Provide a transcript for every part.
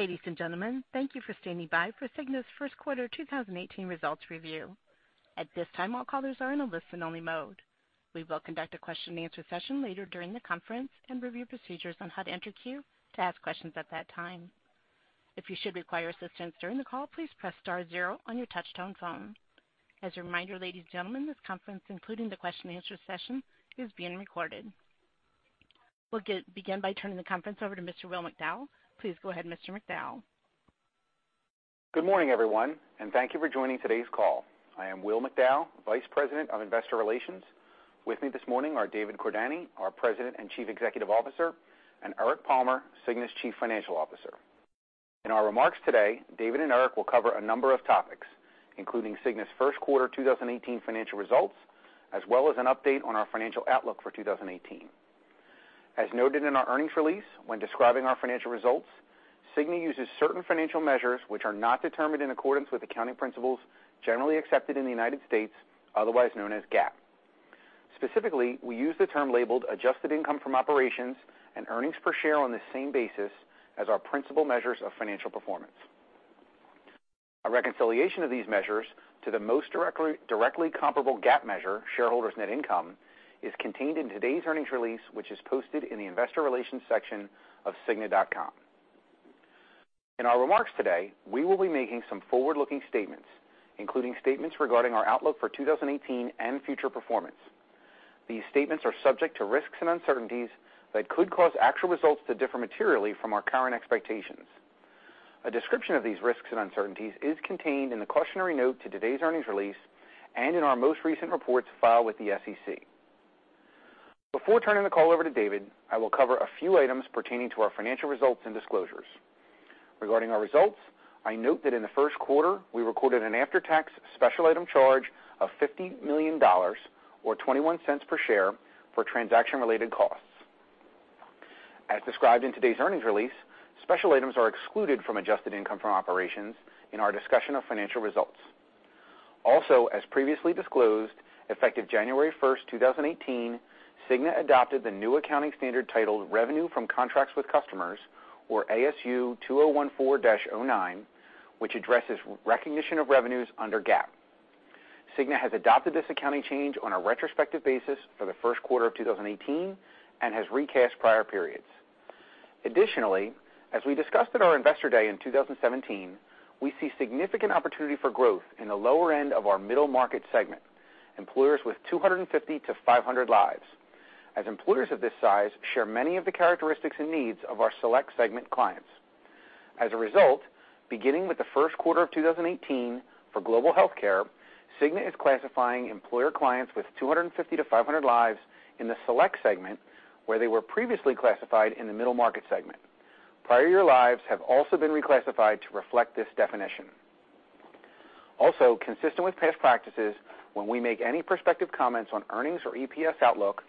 Ladies and gentlemen, thank you for standing by for Cigna's first quarter 2018 results review. At this time, all callers are in a listen-only mode. We will conduct a question-and-answer session later during the conference and review procedures on how to enter queue to ask questions at that time. If you should require assistance during the call, please press star zero on your touch-tone phone. As a reminder, ladies and gentlemen, this conference, including the question-and-answer session, is being recorded. We will begin by turning the conference over to Mr. Will McDowell. Please go ahead, Mr. McDowell. Good morning, everyone. Thank you for joining today's call. I am Will McDowell, Vice President of Investor Relations. With me this morning are David Cordani, our President and Chief Executive Officer, and Eric Palmer, Cigna's Chief Financial Officer. In our remarks today, David and Eric will cover a number of topics, including Cigna's first quarter 2018 financial results, as well as an update on our financial outlook for 2018. As noted in our earnings release, when describing our financial results, Cigna uses certain financial measures which are not determined in accordance with accounting principles generally accepted in the United States, otherwise known as GAAP. Specifically, we use the term labeled "adjusted income from operations" and "earnings per share" on the same basis as our principal measures of financial performance. A reconciliation of these measures to the most directly comparable GAAP measure, shareholders' net income, is contained in today's earnings release, which is posted in the investor relations section of cigna.com. In our remarks today, we will be making some forward-looking statements, including statements regarding our outlook for 2018 and future performance. These statements are subject to risks and uncertainties that could cause actual results to differ materially from our current expectations. A description of these risks and uncertainties is contained in the cautionary note to today's earnings release and in our most recent reports filed with the SEC. Before turning the call over to David, I will cover a few items pertaining to our financial results and disclosures. Regarding our results, I note that in the first quarter, we recorded an after-tax special item charge of $50 million, or $0.21 per share, for transaction-related costs. As described in today's earnings release, special items are excluded from adjusted income from operations in our discussion of financial results. Also, as previously disclosed, effective January 1, 2018, Cigna adopted the new accounting standard titled Revenue from Contracts with Customers, or ASU 2014-09, which addresses recognition of revenues under GAAP. Cigna has adopted this accounting change on a retrospective basis for the first quarter of 2018 and has recast prior periods. Additionally, as we discussed at our Investor Day in 2017, we see significant opportunity for growth in the lower end of our middle market segment, employers with 250 to 500 lives, as employers of this size share many of the characteristics and needs of our select segment clients. As a result, beginning with the first quarter of 2018 for Global Health Care, Cigna is classifying employer clients with 250 to 500 lives in the select segment, where they were previously classified in the middle market segment. Prior year lives have also been reclassified to reflect this definition. Also, consistent with past practices, when we make any prospective comments on earnings or EPS outlook,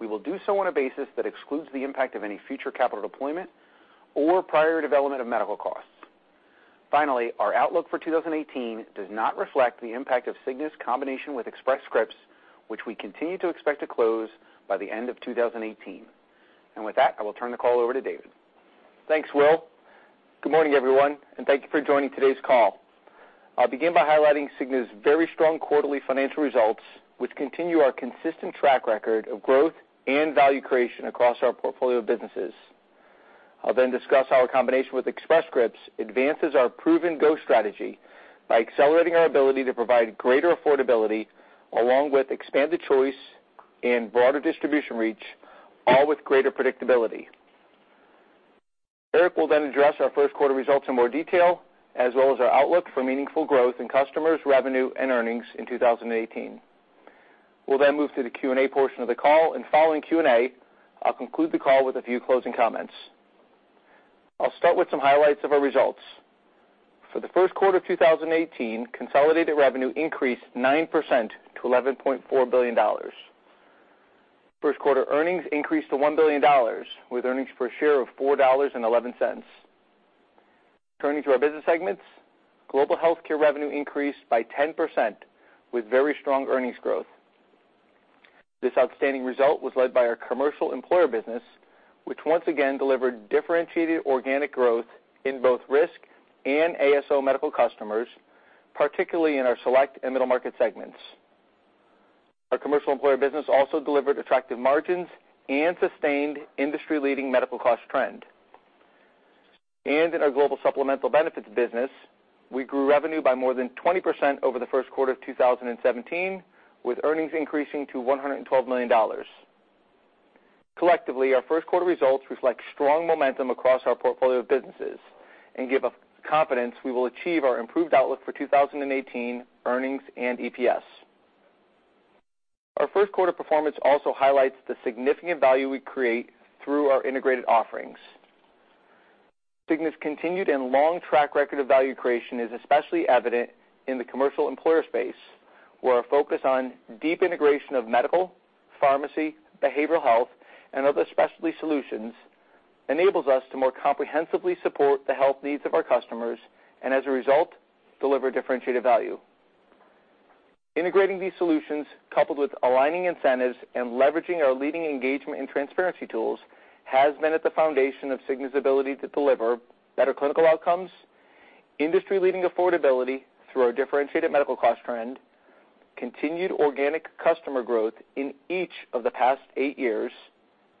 we will do so on a basis that excludes the impact of any future capital deployment or prior development of medical costs. Finally, our outlook for 2018 does not reflect the impact of Cigna's combination with Express Scripts, which we continue to expect to close by the end of 2018. With that, I will turn the call over to David. Thanks, Will. Good morning, everyone, and thank you for joining today's call. I'll begin by highlighting Cigna's very strong quarterly financial results, which continue our consistent track record of growth and value creation across our portfolio of businesses. I'll then discuss how our combination with Express Scripts advances our proven go strategy by accelerating our ability to provide greater affordability along with expanded choice and broader distribution reach, all with greater predictability. Eric will then address our first quarter results in more detail, as well as our outlook for meaningful growth in customers, revenue, and earnings in 2018. We'll then move to the Q&A portion of the call. Following Q&A, I'll conclude the call with a few closing comments. I'll start with some highlights of our results. For the first quarter of 2018, consolidated revenue increased 9% to $11.4 billion. First quarter earnings increased to $1 billion, with earnings per share of $4.11. Turning to our business segments, Global Health Care revenue increased by 10% with very strong earnings growth. This outstanding result was led by our commercial employer business, which once again delivered differentiated organic growth in both risk and ASO medical customers, particularly in our select and middle market segments. Our commercial employer business also delivered attractive margins and sustained industry-leading medical cost trend. In our Global Supplemental Benefits business, we grew revenue by more than 20% over the first quarter of 2017, with earnings increasing to $112 million. Collectively, our first quarter results reflect strong momentum across our portfolio of businesses and give us confidence we will achieve our improved outlook for 2018 earnings and EPS. Our first quarter performance also highlights the significant value we create through our integrated offerings. Cigna's continued and long track record of value creation is especially evident in the commercial employer space, where our focus on deep integration of medical, pharmacy, behavioral health, and other specialty solutions enables us to more comprehensively support the health needs of our customers and, as a result, deliver differentiated value. Integrating these solutions, coupled with aligning incentives and leveraging our leading engagement and transparency tools, has been at the foundation of Cigna's ability to deliver better clinical outcomes, industry-leading affordability through our differentiated medical cost trend, continued organic customer growth in each of the past eight years,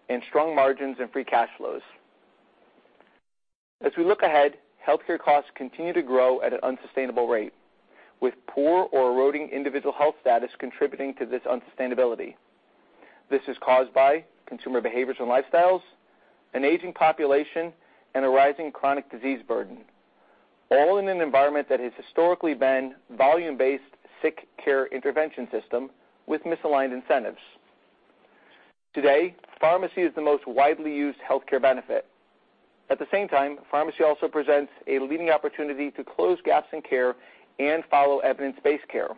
and strong margins and free cash flows. As we look ahead, healthcare costs continue to grow at an unsustainable rate, with poor or eroding individual health status contributing to this unsustainability. This is caused by consumer behaviors and lifestyles, an aging population, and a rising chronic disease burden, all in an environment that has historically been volume-based, sick care intervention system with misaligned incentives. Today, pharmacy is the most widely used healthcare benefit. At the same time, pharmacy also presents a leading opportunity to close gaps in care and follow evidence-based care.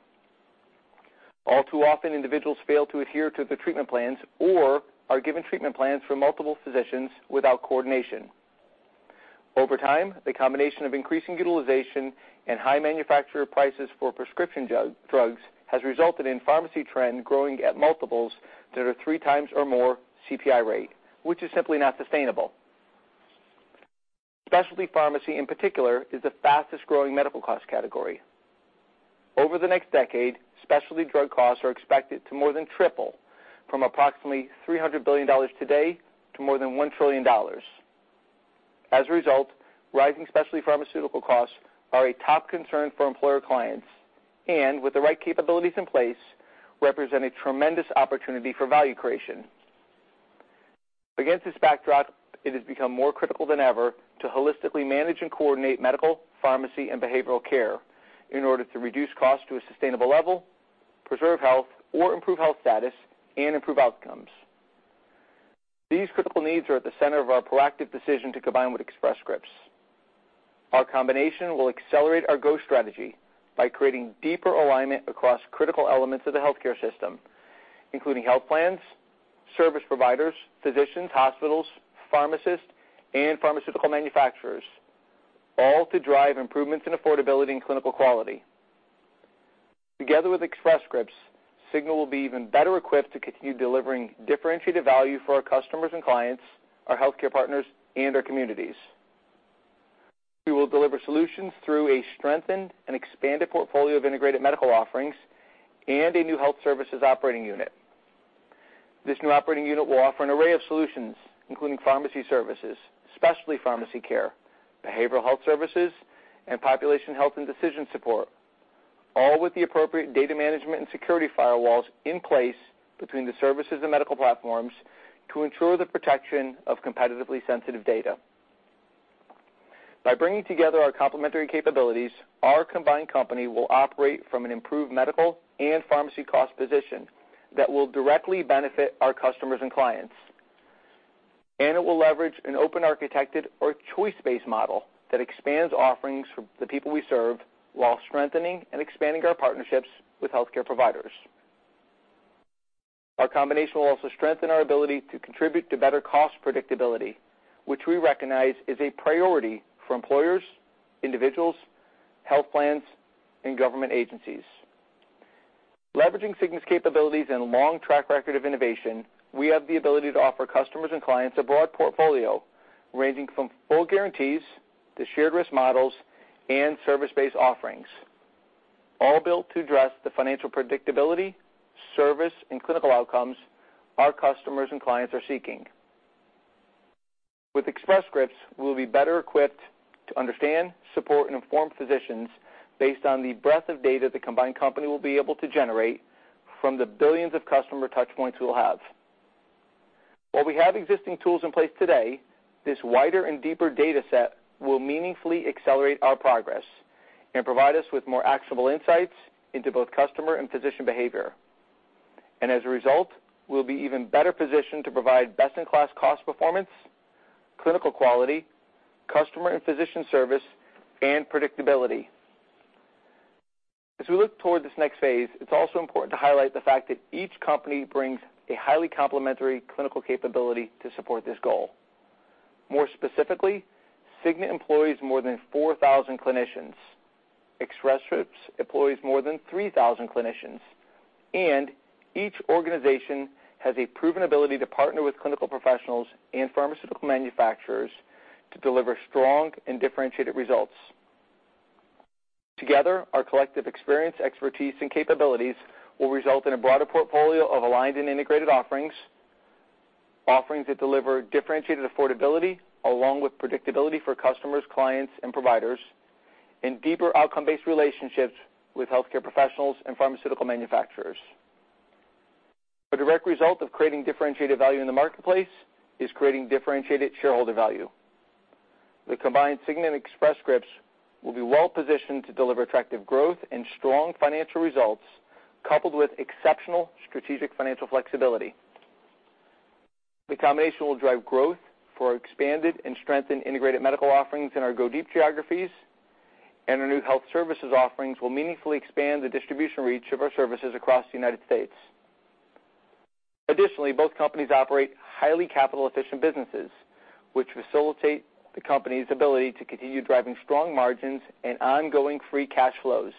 All too often, individuals fail to adhere to the treatment plans or are given treatment plans from multiple physicians without coordination. Over time, the combination of increasing utilization and high manufacturer prices for prescription drugs has resulted in pharmacy trend growing at multiples that are three times or more CPI rate, which is simply not sustainable. Specialty pharmacy, in particular, is the fastest-growing medical cost category. Over the next decade, specialty drug costs are expected to more than triple from approximately $300 billion today to more than $1 trillion. Rising specialty pharmaceutical costs are a top concern for employer clients and with the right capabilities in place, represent a tremendous opportunity for value creation. Against this backdrop, it has become more critical than ever to holistically manage and coordinate medical, pharmacy, and behavioral care in order to reduce costs to a sustainable level, preserve health or improve health status, and improve outcomes. These critical needs are at the center of our proactive decision to combine with Express Scripts. Our combination will accelerate our growth strategy by creating deeper alignment across critical elements of the healthcare system, including health plans, service providers, physicians, hospitals, pharmacists, and pharmaceutical manufacturers, all to drive improvements in affordability and clinical quality. Together with Express Scripts, Cigna will be even better equipped to continue delivering differentiated value for our customers and clients, our healthcare partners, and our communities. We will deliver solutions through a strengthened and expanded portfolio of integrated medical offerings and a new health services operating unit. This new operating unit will offer an array of solutions, including pharmacy services, specialty pharmacy care, behavioral health services, and population health and decision support, all with the appropriate data management and security firewalls in place between the services and medical platforms to ensure the protection of competitively sensitive data. By bringing together our complementary capabilities, our combined company will operate from an improved medical and pharmacy cost position that will directly benefit our customers and clients. It will leverage an open architected or choice-based model that expands offerings for the people we serve while strengthening and expanding our partnerships with healthcare providers. Our combination will also strengthen our ability to contribute to better cost predictability, which we recognize is a priority for employers, individuals, health plans, and government agencies. Leveraging Cigna's capabilities and long track record of innovation, we have the ability to offer customers and clients a broad portfolio ranging from full guarantees to shared risk models and service-based offerings, all built to address the financial predictability, service, and clinical outcomes our customers and clients are seeking. With Express Scripts, we'll be better equipped to understand, support, and inform physicians based on the breadth of data the combined company will be able to generate from the billions of customer touchpoints we'll have. While we have existing tools in place today, this wider and deeper data set will meaningfully accelerate our progress and provide us with more actionable insights into both customer and physician behavior. As a result, we'll be even better positioned to provide best-in-class cost performance, clinical quality, customer and physician service, and predictability. As we look toward this next phase, it's also important to highlight the fact that each company brings a highly complementary clinical capability to support this goal. More specifically, Cigna employs more than 4,000 clinicians. Express Scripts employs more than 3,000 clinicians. Each organization has a proven ability to partner with clinical professionals and pharmaceutical manufacturers to deliver strong and differentiated results. Together, our collective experience, expertise, and capabilities will result in a broader portfolio of aligned and integrated offerings that deliver differentiated affordability along with predictability for customers, clients, and providers, and deeper outcome-based relationships with healthcare professionals and pharmaceutical manufacturers. A direct result of creating differentiated value in the marketplace is creating differentiated shareholder value. The combined Cigna and Express Scripts will be well-positioned to deliver attractive growth and strong financial results, coupled with exceptional strategic financial flexibility. The combination will drive growth for expanded and strengthened integrated medical offerings in our go deep geographies, and our new health services offerings will meaningfully expand the distribution reach of our services across the U.S. Additionally, both companies operate highly capital-efficient businesses, which facilitate the company's ability to continue driving strong margins and ongoing free cash flows.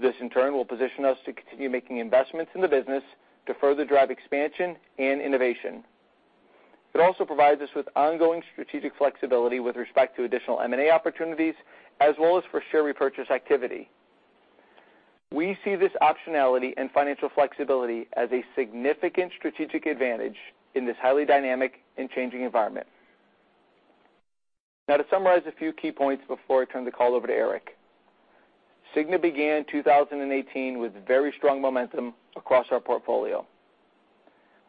This, in turn, will position us to continue making investments in the business to further drive expansion and innovation. It also provides us with ongoing strategic flexibility with respect to additional M&A opportunities, as well as for share repurchase activity. We see this optionality and financial flexibility as a significant strategic advantage in this highly dynamic and changing environment. To summarize a few key points before I turn the call over to Eric. Cigna began 2018 with very strong momentum across our portfolio.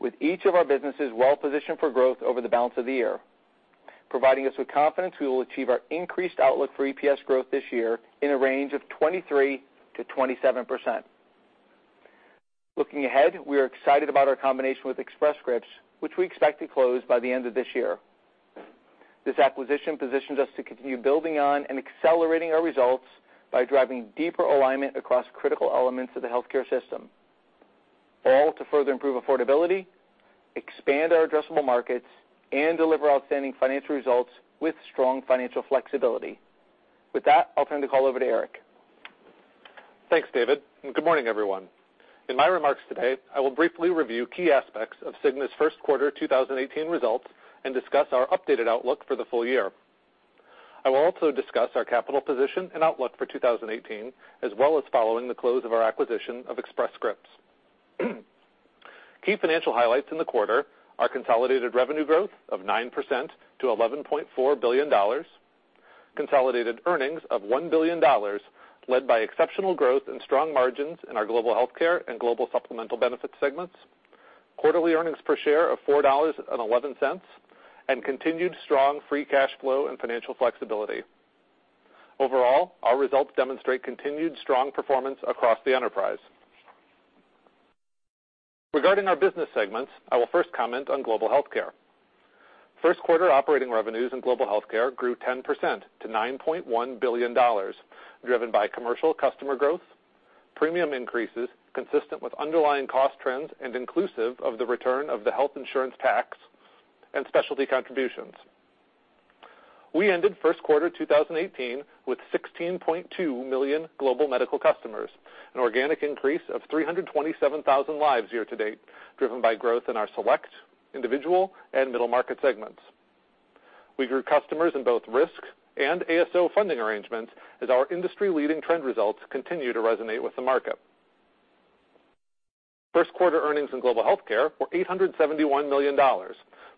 With each of our businesses well-positioned for growth over the balance of the year, providing us with confidence we will achieve our increased outlook for EPS growth this year in a range of 23%-27%. Looking ahead, we are excited about our combination with Express Scripts, which we expect to close by the end of this year. This acquisition positions us to continue building on and accelerating our results by driving deeper alignment across critical elements of the healthcare system, all to further improve affordability, expand our addressable markets, and deliver outstanding financial results with strong financial flexibility. With that, I'll turn the call over to Eric. Thanks, David, and good morning, everyone. In my remarks today, I will briefly review key aspects of Cigna's first quarter 2018 results and discuss our updated outlook for the full year. I will also discuss our capital position and outlook for 2018, as well as following the close of our acquisition of Express Scripts. Key financial highlights in the quarter are consolidated revenue growth of 9% to $11.4 billion, consolidated earnings of $1 billion, led by exceptional growth and strong margins in our Global Health Care and Global Supplemental Benefits segments, quarterly earnings per share of $4.11, and continued strong free cash flow and financial flexibility. Overall, our results demonstrate continued strong performance across the enterprise. Regarding our business segments, I will first comment on Global Health Care. First quarter operating revenues in Global Health Care grew 10% to $9.1 billion, driven by commercial customer growth, premium increases consistent with underlying cost trends and inclusive of the return of the Health Insurance Tax and specialty contributions. We ended first quarter 2018 with 16.2 million global medical customers, an organic increase of 327,000 lives year to date, driven by growth in our select, individual, and middle-market segments. We grew customers in both risk and ASO funding arrangements as our industry-leading trend results continue to resonate with the market. First quarter earnings in Global Health Care were $871 million,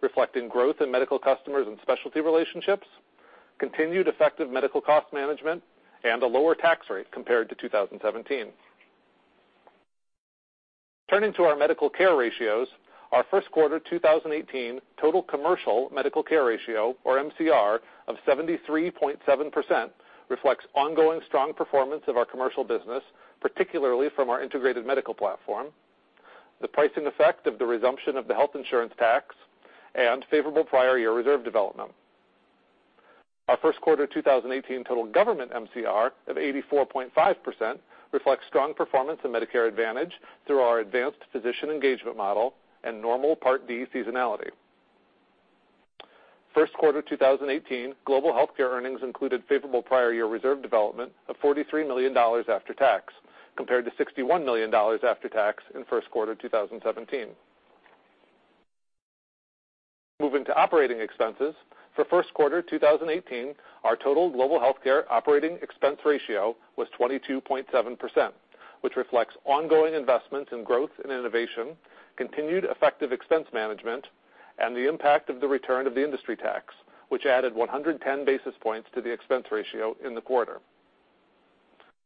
reflecting growth in medical customers and specialty relationships, continued effective medical cost management, and a lower tax rate compared to 2017. Turning to our medical care ratios, our first quarter 2018 total commercial medical care ratio, or MCR, of 73.7% reflects ongoing strong performance of our commercial business, particularly from our integrated medical platform, the pricing effect of the resumption of the Health Insurance Tax, and favorable prior year reserve development. Our first quarter 2018 total government MCR of 84.5% reflects strong performance in Medicare Advantage through our advanced physician engagement model and normal Part D seasonality. First quarter 2018 Global Health Care earnings included favorable prior year reserve development of $43 million after tax, compared to $61 million after tax in first quarter 2017. Moving to operating expenses, for first quarter 2018, our total Global Health Care operating expense ratio was 22.7%, which reflects ongoing investments in growth and innovation, continued effective expense management, and the impact of the return of the Health Insurance Tax, which added 110 basis points to the expense ratio in the quarter.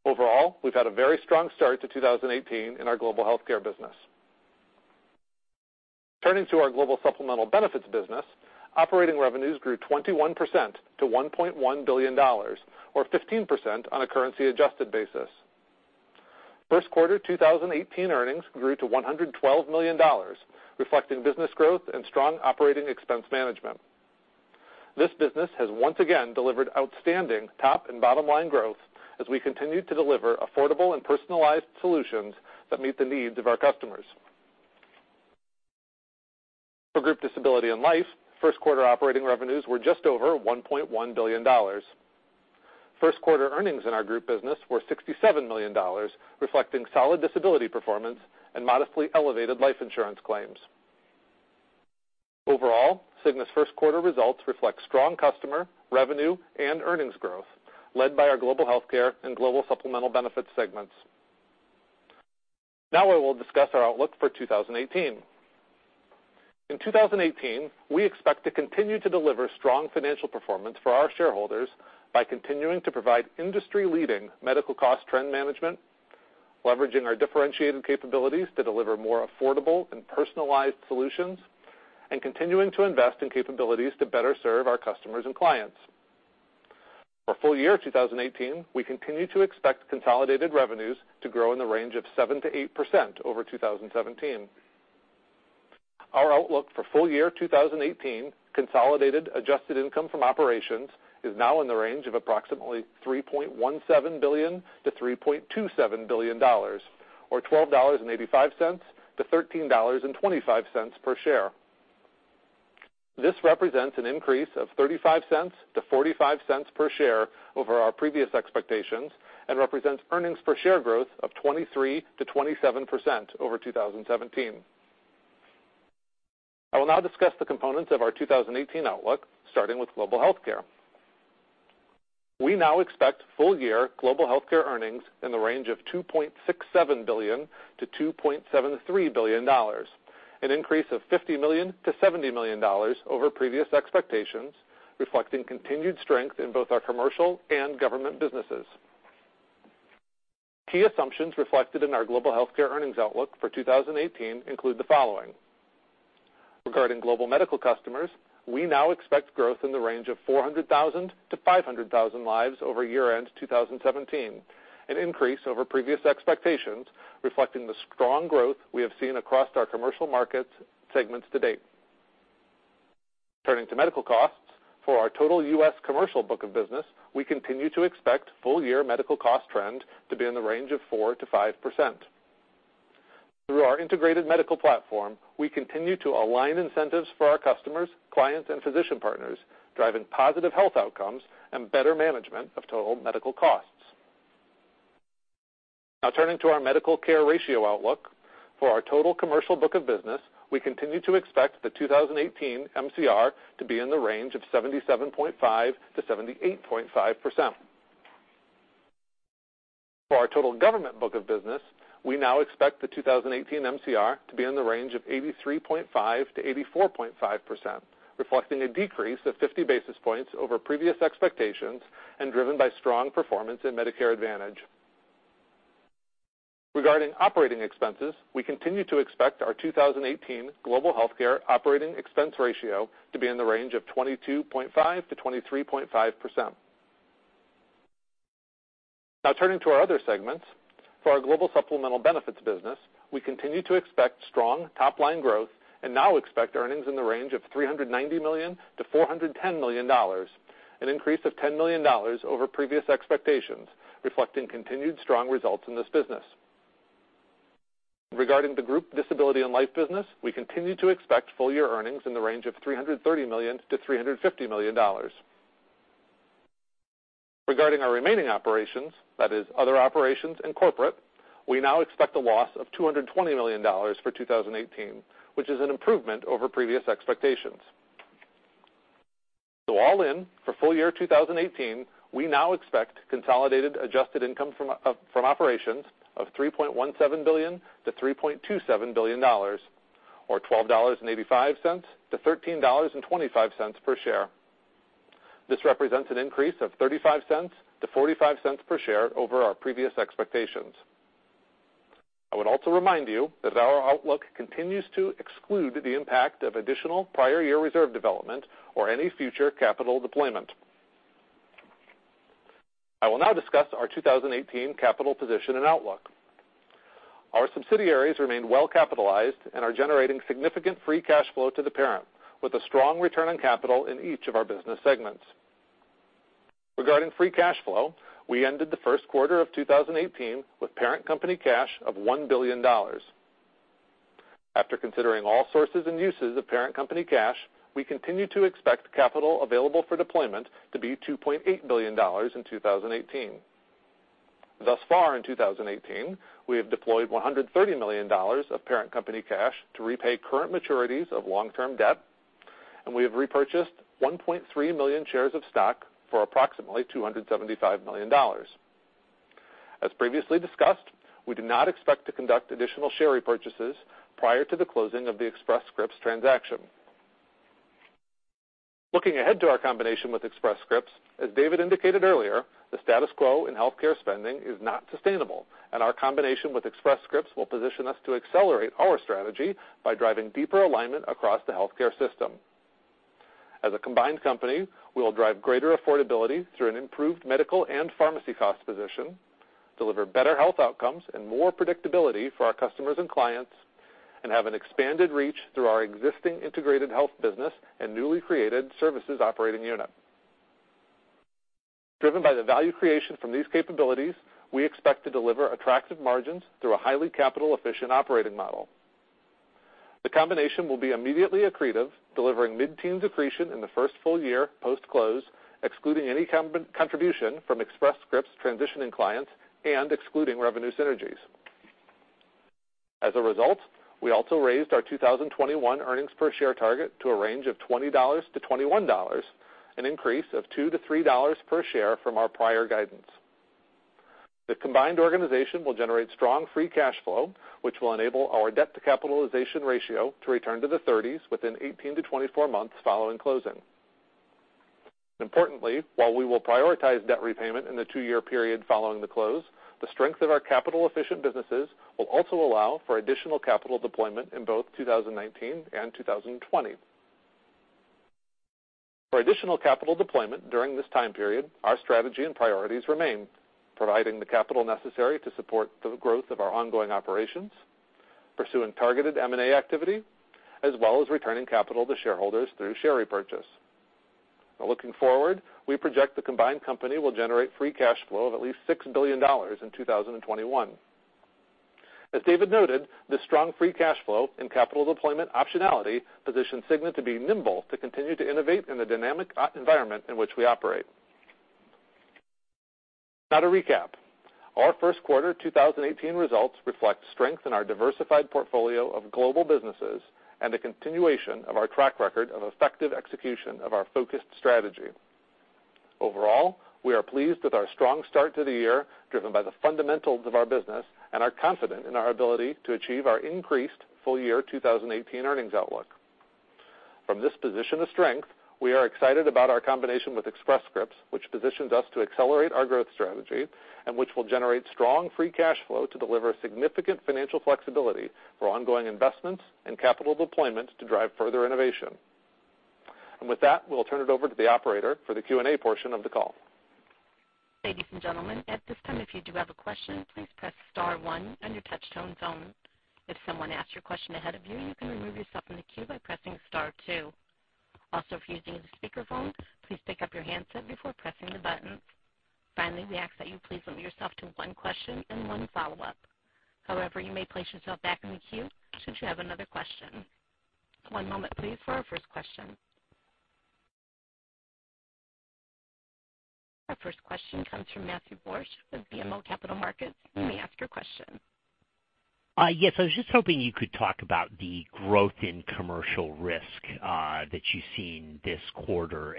Overall, we've had a very strong start to 2018 in our Global Health Care business. Turning to our Global Supplemental Benefits business, operating revenues grew 21% to $1.1 billion or 15% on a currency adjusted basis. First quarter 2018 earnings grew to $112 million, reflecting business growth and strong operating expense management. This business has once again delivered outstanding top and bottom-line growth as we continue to deliver affordable and personalized solutions that meet the needs of our customers. For Group Disability and Life, first quarter operating revenues were just over $1.1 billion. First quarter earnings in our group business were $67 million, reflecting solid disability performance and modestly elevated life insurance claims. Overall, Cigna's first quarter results reflect strong customer, revenue, and earnings growth led by our Global Health Care and Global Supplemental Benefits segments. I will discuss our outlook for 2018. In 2018, we expect to continue to deliver strong financial performance for our shareholders by continuing to provide industry-leading medical cost trend management, leveraging our differentiated capabilities to deliver more affordable and personalized solutions, and continuing to invest in capabilities to better serve our customers and clients. For full year 2018, we continue to expect consolidated revenues to grow in the range of 7%-8% over 2017. Our outlook for full year 2018 consolidated adjusted income from operations is now in the range of approximately $3.17 billion-$3.27 billion, or $12.85-$13.25 per share. This represents an increase of $0.35-$0.45 per share over our previous expectations and represents EPS growth of 23%-27% over 2017. I will now discuss the components of our 2018 outlook, starting with Global Health Care. We now expect full year Global Health Care earnings in the range of $2.67 billion-$2.73 billion, an increase of $50 million-$70 million over previous expectations, reflecting continued strength in both our commercial and government businesses. Key assumptions reflected in our Global Health Care earnings outlook for 2018 include the following. Regarding global medical customers, we now expect growth in the range of 400,000-500,000 lives over year-end 2017, an increase over previous expectations, reflecting the strong growth we have seen across our commercial market segments to date. Turning to medical costs, for our total U.S. commercial book of business, we continue to expect full year medical cost trend to be in the range of 4%-5%. Through our integrated medical platform, we continue to align incentives for our customers, clients, and physician partners, driving positive health outcomes and better management of total medical costs. Now turning to our Medical Care Ratio outlook. For our total commercial book of business, we continue to expect the 2018 MCR to be in the range of 77.5%-78.5%. For our total government book of business, we now expect the 2018 MCR to be in the range of 83.5%-84.5%, reflecting a decrease of 50 basis points over previous expectations and driven by strong performance in Medicare Advantage. Regarding operating expenses, we continue to expect our 2018 Global Health Care operating expense ratio to be in the range of 22.5%-23.5%. Now turning to our other segments. For our Global Supplemental Benefits business, we continue to expect strong top-line growth and now expect earnings in the range of $390 million-$410 million, an increase of $10 million over previous expectations, reflecting continued strong results in this business. Regarding the Group Disability and Life business, we continue to expect full year earnings in the range of $330 million-$350 million. Regarding our remaining operations, that is Other Operations and Corporate, we now expect a loss of $220 million for 2018, which is an improvement over previous expectations. All in, for full year 2018, we now expect consolidated adjusted income from operations of $3.17 billion-$3.27 billion, or $12.85-$13.25 per share. This represents an increase of $0.35-$0.45 per share over our previous expectations. I would also remind you that our outlook continues to exclude the impact of additional prior year reserve development or any future capital deployment. I will now discuss our 2018 capital position and outlook. Our subsidiaries remain well capitalized and are generating significant free cash flow to the parent, with a strong return on capital in each of our business segments. Regarding free cash flow, we ended the first quarter of 2018 with parent company cash of $1 billion. After considering all sources and uses of parent company cash, we continue to expect capital available for deployment to be $2.8 billion in 2018. Thus far in 2018, we have deployed $130 million of parent company cash to repay current maturities of long-term debt, and we have repurchased 1.3 million shares of stock for approximately $275 million. As previously discussed, we do not expect to conduct additional share repurchases prior to the closing of the Express Scripts transaction. Looking ahead to our combination with Express Scripts, as David indicated earlier, the status quo in healthcare spending is not sustainable, and our combination with Express Scripts will position us to accelerate our strategy by driving deeper alignment across the healthcare system. As a combined company, we will drive greater affordability through an improved medical and pharmacy cost position, deliver better health outcomes and more predictability for our customers and clients, and have an expanded reach through our existing integrated health business and newly created services operating unit. Driven by the value creation from these capabilities, we expect to deliver attractive margins through a highly capital-efficient operating model. The combination will be immediately accretive, delivering mid-teens accretion in the first full year post-close, excluding any contribution from Express Scripts transitioning clients and excluding revenue synergies. We also raised our 2021 earnings per share target to a range of $20 to $21, an increase of $2 to $3 per share from our prior guidance. The combined organization will generate strong free cash flow, which will enable our debt to capitalization ratio to return to the 30s within 18 to 24 months following closing. Importantly, while we will prioritize debt repayment in the two-year period following the close, the strength of our capital-efficient businesses will also allow for additional capital deployment in both 2019 and 2020. For additional capital deployment during this time period, our strategy and priorities remain, providing the capital necessary to support the growth of our ongoing operations, pursuing targeted M&A activity, as well as returning capital to shareholders through share repurchase. Looking forward, we project the combined company will generate free cash flow of at least $6 billion in 2021. As David noted, the strong free cash flow and capital deployment optionality positions Cigna to be nimble to continue to innovate in the dynamic environment in which we operate. To recap, our first quarter 2018 results reflect strength in our diversified portfolio of global businesses and the continuation of our track record of effective execution of our focused strategy. Overall, we are pleased with our strong start to the year, driven by the fundamentals of our business, and are confident in our ability to achieve our increased full-year 2018 earnings outlook. From this position of strength, we are excited about our combination with Express Scripts, which positions us to accelerate our growth strategy and which will generate strong free cash flow to deliver significant financial flexibility for ongoing investments and capital deployment to drive further innovation. With that, we'll turn it over to the operator for the Q&A portion of the call. Ladies and gentlemen, at this time, if you do have a question, please press star one on your touch-tone phone. If someone asks your question ahead of you can remove yourself from the queue by pressing star two. Also, if you're using the speakerphone, please pick up your handset before pressing the button. Finally, we ask that you please limit yourself to one question and one follow-up. However, you may place yourself back in the queue should you have another question. One moment please for our first question. Our first question comes from Matthew Borsch of BMO Capital Markets. You may ask your question. Yes. I was just hoping you could talk about the growth in commercial risk that you've seen this quarter.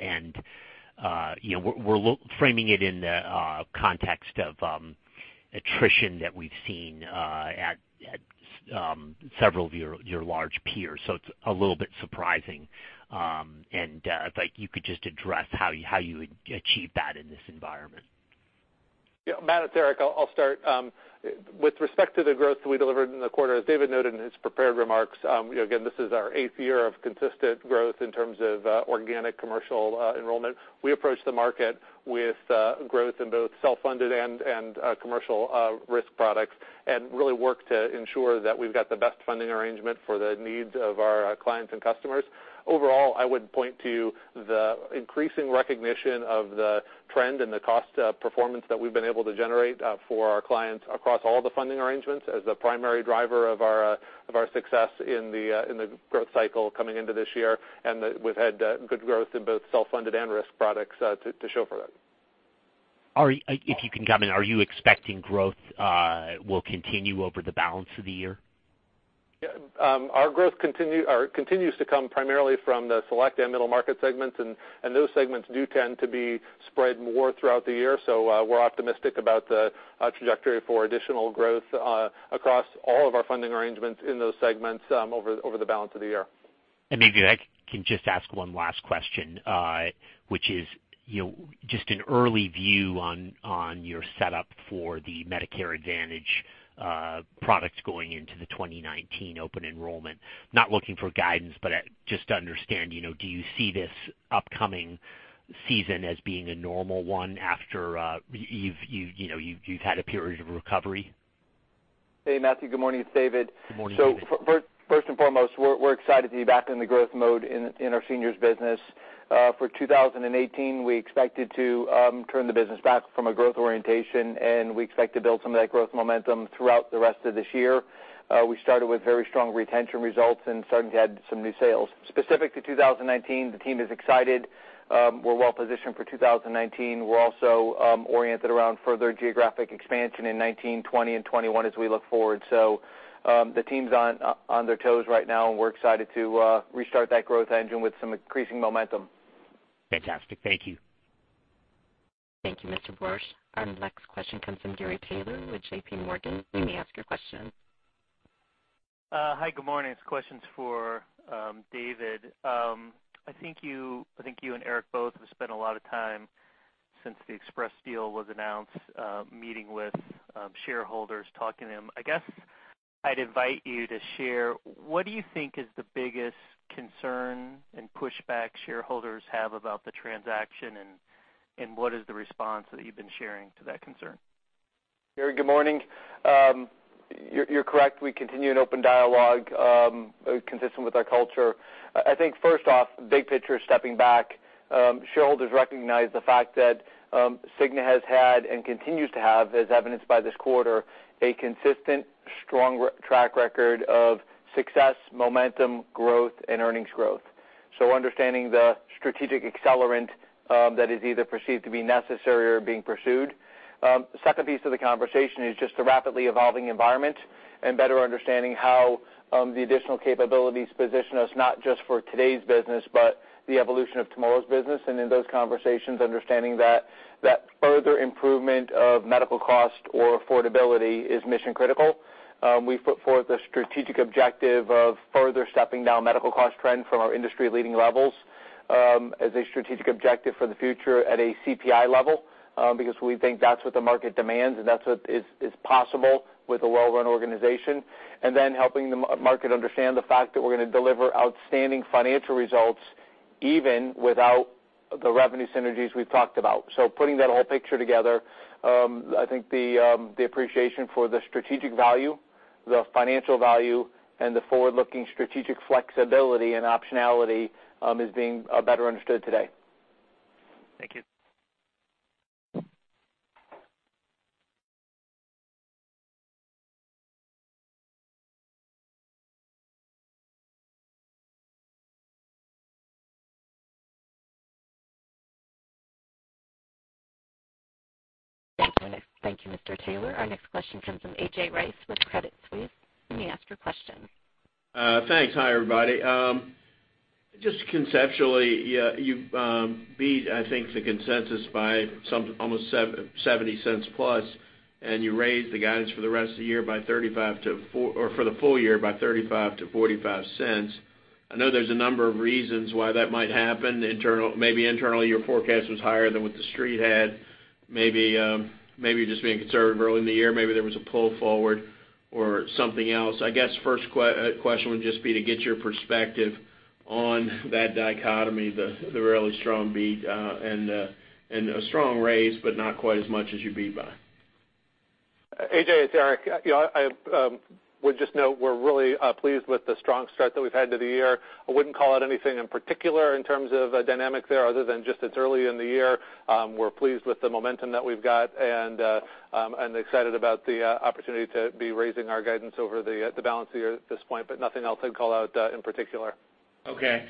We're framing it in the context of attrition that we've seen at several of your large peers, so it's a little bit surprising. If you could just address how you achieve that in this environment. Yeah, Matt, it's Eric. I'll start. With respect to the growth that we delivered in the quarter, as David noted in his prepared remarks, again, this is our eighth year of consistent growth in terms of organic commercial enrollment. We approach the market with growth in both self-funded and commercial risk products and really work to ensure that we've got the best funding arrangement for the needs of our clients and customers. Overall, I would point to the increasing recognition of the trend and the cost performance that we've been able to generate for our clients across all the funding arrangements as the primary driver of our success in the growth cycle coming into this year, and that we've had good growth in both self-funded and risk products to show for that. If you can comment, are you expecting growth will continue over the balance of the year? Yeah. Our growth continues to come primarily from the select and middle market segments, and those segments do tend to be spread more throughout the year. We're optimistic about the trajectory for additional growth across all of our funding arrangements in those segments over the balance of the year. Maybe I can just ask one last question, which is, just an early view on your setup for the Medicare Advantage products going into the 2019 open enrollment. Not looking for guidance, but just to understand, do you see this upcoming season as being a normal one after you've had a period of recovery? Hey, Matthew. Good morning. It's David. Good morning, David. First and foremost, we're excited to be back in the growth mode in our Seniors business. For 2018, we expected to turn the business back from a growth orientation, and we expect to build some of that growth momentum throughout the rest of this year. We started with very strong retention results and starting to add some new sales. Specific to 2019, the team is excited. We're well-positioned for 2019. We're also oriented around further geographic expansion in 2019, 2020, and 2021 as we look forward. The team's on their toes right now, and we're excited to restart that growth engine with some increasing momentum. Fantastic. Thank you. Thank you, Mr. Borsch. Our next question comes from Gary Taylor with JPMorgan. You may ask your question. Hi, good morning. This question's for David. I think you and Eric both have spent a lot of time since the Express deal was announced, meeting with shareholders, talking to them. I guess I'd invite you to share, what do you think is the biggest concern and pushback shareholders have about the transaction, and what is the response that you've been sharing to that concern? Gary, good morning. You're correct. We continue an open dialogue, consistent with our culture. First off, big picture, stepping back, shareholders recognize the fact that Cigna has had and continues to have, as evidenced by this quarter, a consistent, strong track record of success, momentum, growth, and earnings growth. Understanding the strategic accelerant that is either perceived to be necessary or being pursued. Second piece of the conversation is just the rapidly evolving environment and better understanding how the additional capabilities position us not just for today's business, but the evolution of tomorrow's business. In those conversations, understanding that further improvement of medical cost or affordability is mission-critical. We put forth the strategic objective of further stepping down medical cost trend from our industry-leading levels, as a strategic objective for the future at a CPI level, because we think that's what the market demands, and that's what is possible with a well-run organization. Helping the market understand the fact that we're going to deliver outstanding financial results even without the revenue synergies we've talked about. Putting that whole picture together, I think the appreciation for the strategic value, the financial value, and the forward-looking strategic flexibility and optionality is being better understood today. Thank you. Thank you, Mr. Taylor. Our next question comes from A.J. Rice with Credit Suisse. You may ask your question. Thanks. Hi, everybody. Just conceptually, you beat, I think, the consensus by almost $0.70+, and you raised the guidance for the full year by $0.35-$0.45. I know there's a number of reasons why that might happen. Maybe internally, your forecast was higher than what the street had. Maybe just being conservative early in the year, maybe there was a pull forward or something else. I guess first question would just be to get your perspective on that dichotomy, the really strong beat and a strong raise, but not quite as much as you beat by. A.J., it's Eric. I would just note we're really pleased with the strong start that we've had to the year. I wouldn't call out anything in particular in terms of dynamic there other than just it's early in the year. We're pleased with the momentum that we've got and excited about the opportunity to be raising our guidance over the balance of the year at this point. Nothing else I'd call out in particular. Okay.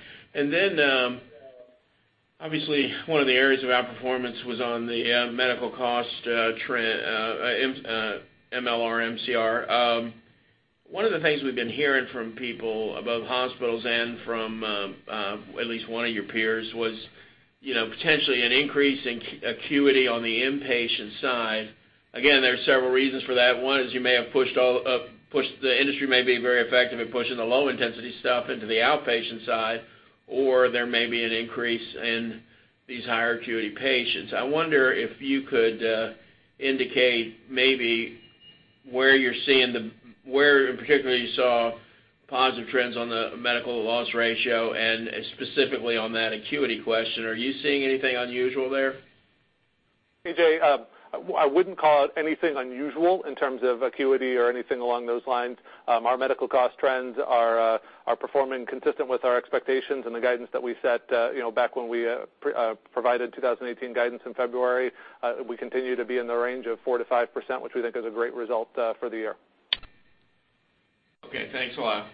Obviously, one of the areas of outperformance was on the medical cost trend, MLR MCR. One of the things we've been hearing from people, both hospitals and from at least one of your peers, was potentially an increase in acuity on the inpatient side. Again, there are several reasons for that. One is you may have pushed the industry may be very effective in pushing the low intensity stuff into the outpatient side, or there may be an increase in these higher acuity patients. I wonder if you could indicate maybe where in particular you saw positive trends on the medical loss ratio, and specifically on that acuity question. Are you seeing anything unusual there? A.J., I wouldn't call it anything unusual in terms of acuity or anything along those lines. Our medical cost trends are performing consistent with our expectations and the guidance that we set back when we provided 2018 guidance in February. We continue to be in the range of 4%-5%, which we think is a great result for the year. Okay, thanks a lot.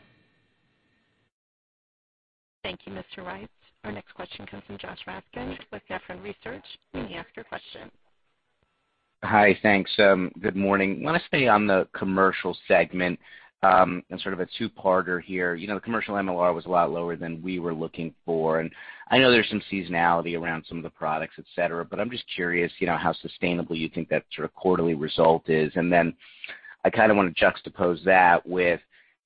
Thank you, Mr. Rice. Our next question comes from Josh Raskin with Nephron Research. You may ask your question. Hi. Thanks. Good morning. I want to stay on the commercial segment in sort of a two-parter here. The commercial MLR was a lot lower than we were looking for, I know there's some seasonality around some of the products, et cetera, but I'm just curious how sustainable you think that sort of quarterly result is. Then I kind of want to juxtapose that with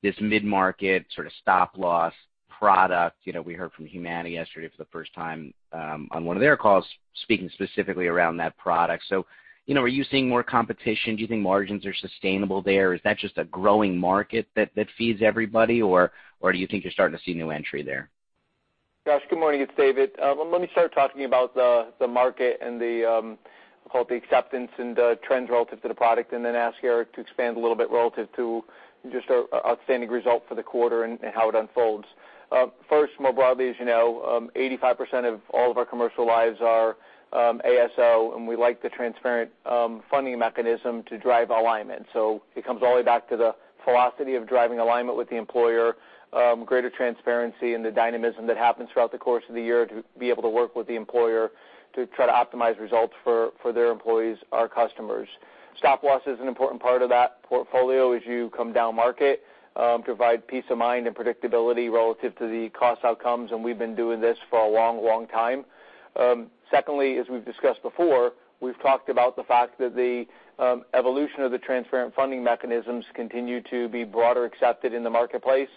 this mid-market sort of stop loss product. We heard from Humana yesterday for the first time on one of their calls, speaking specifically around that product. Are you seeing more competition? Do you think margins are sustainable there? Is that just a growing market that feeds everybody, or do you think you're starting to see new entry there? Josh, good morning. It's David. Let me start talking about the market and the, call it the acceptance and the trends relative to the product, then ask Eric to expand a little bit relative to just our outstanding result for the quarter and how it unfolds. First, more broadly, as you know, 85% of all of our commercial lives are ASO, we like the transparent funding mechanism to drive alignment. It comes all the way back to the philosophy of driving alignment with the employer, greater transparency, and the dynamism that happens throughout the course of the year to be able to work with the employer to try to optimize results for their employees, our customers. Stop loss is an important part of that portfolio as you come down market to provide peace of mind and predictability relative to the cost outcomes, we've been doing this for a long, long time. Secondly, as we've discussed before, we've talked about the fact that the evolution of the transparent funding mechanisms continue to be broader accepted in the marketplace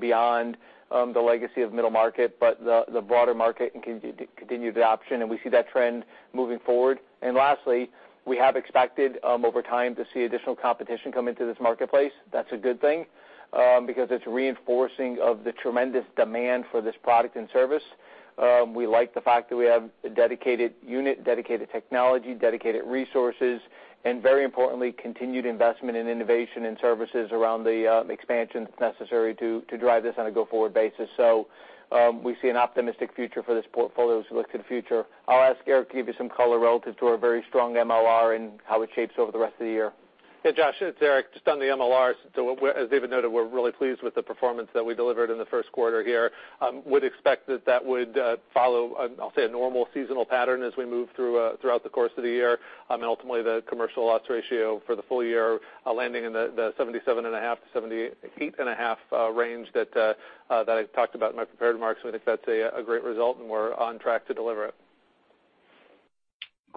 beyond the legacy of middle market, the broader market continued adoption, we see that trend moving forward. Lastly, we have expected over time to see additional competition come into this marketplace. That's a good thing because it's reinforcing of the tremendous demand for this product and service. We like the fact that we have a dedicated unit, dedicated technology, dedicated resources, and very importantly, continued investment in innovation and services around the expansion that's necessary to drive this on a go-forward basis. We see an optimistic future for this portfolio as we look to the future. I'll ask Eric Palmer to give you some color relative to our very strong MLR and how it shapes over the rest of the year. Josh Raskin, it's Eric Palmer. Just on the MLR, as David Cordani noted, we're really pleased with the performance that we delivered in the first quarter here. Would expect that that would follow, I'll say, a normal seasonal pattern as we move throughout the course of the year, and ultimately the commercial loss ratio for the full year landing in the 77.5%-78.5% range that I talked about in my prepared remarks. We think that's a great result, and we're on track to deliver it.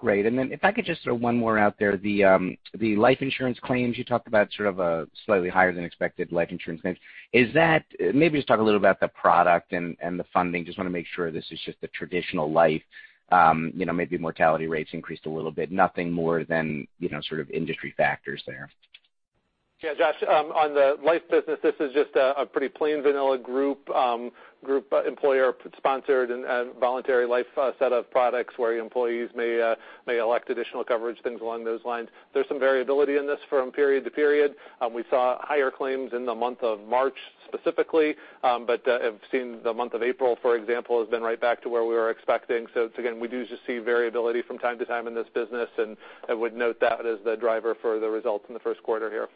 Great. Then if I could just throw one more out there. The life insurance claims you talked about sort of a slightly higher than expected life insurance claims. Maybe just talk a little about the product and the funding. Just want to make sure this is just the traditional life, maybe mortality rates increased a little bit. Nothing more than sort of industry factors there. Josh Raskin, on the life business, this is just a pretty plain vanilla group employer-sponsored and voluntary life set of products where employees may elect additional coverage, things along those lines. There's some variability in this from period to period. We saw higher claims in the month of March specifically, but have seen the month of April, for example, has been right back to where we were expecting. Again, we do just see variability from time to time in this business, and I would note that as the driver for the results in the first quarter here.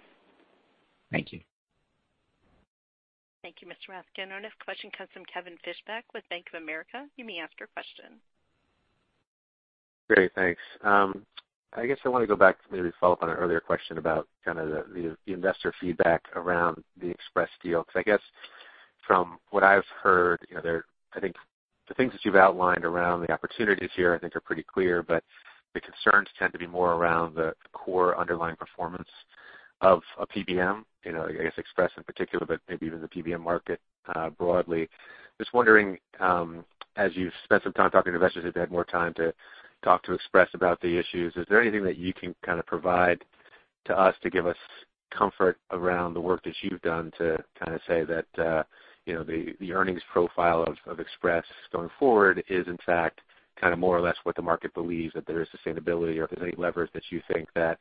Thank you. Thank you, Mr. Raskin. Our next question comes from Kevin Fischbeck with Bank of America. You may ask your question. Great. Thanks. I guess I want to go back to maybe follow up on an earlier question about kind of the investor feedback around the Express deal. I guess from what I've heard, I think the things that you've outlined around the opportunities here I think are pretty clear, but the concerns tend to be more around the core underlying performance of a PBM, I guess Express in particular, but maybe even the PBM market broadly. Just wondering, as you've spent some time talking to investors, who've had more time to talk to Express about the issues, is there anything that you can kind of provide to us to give us comfort around the work that you've done to kind of say that the earnings profile of Express going forward is, in fact, kind of more or less what the market believes, that there is sustainability or if there's any leverage that you think that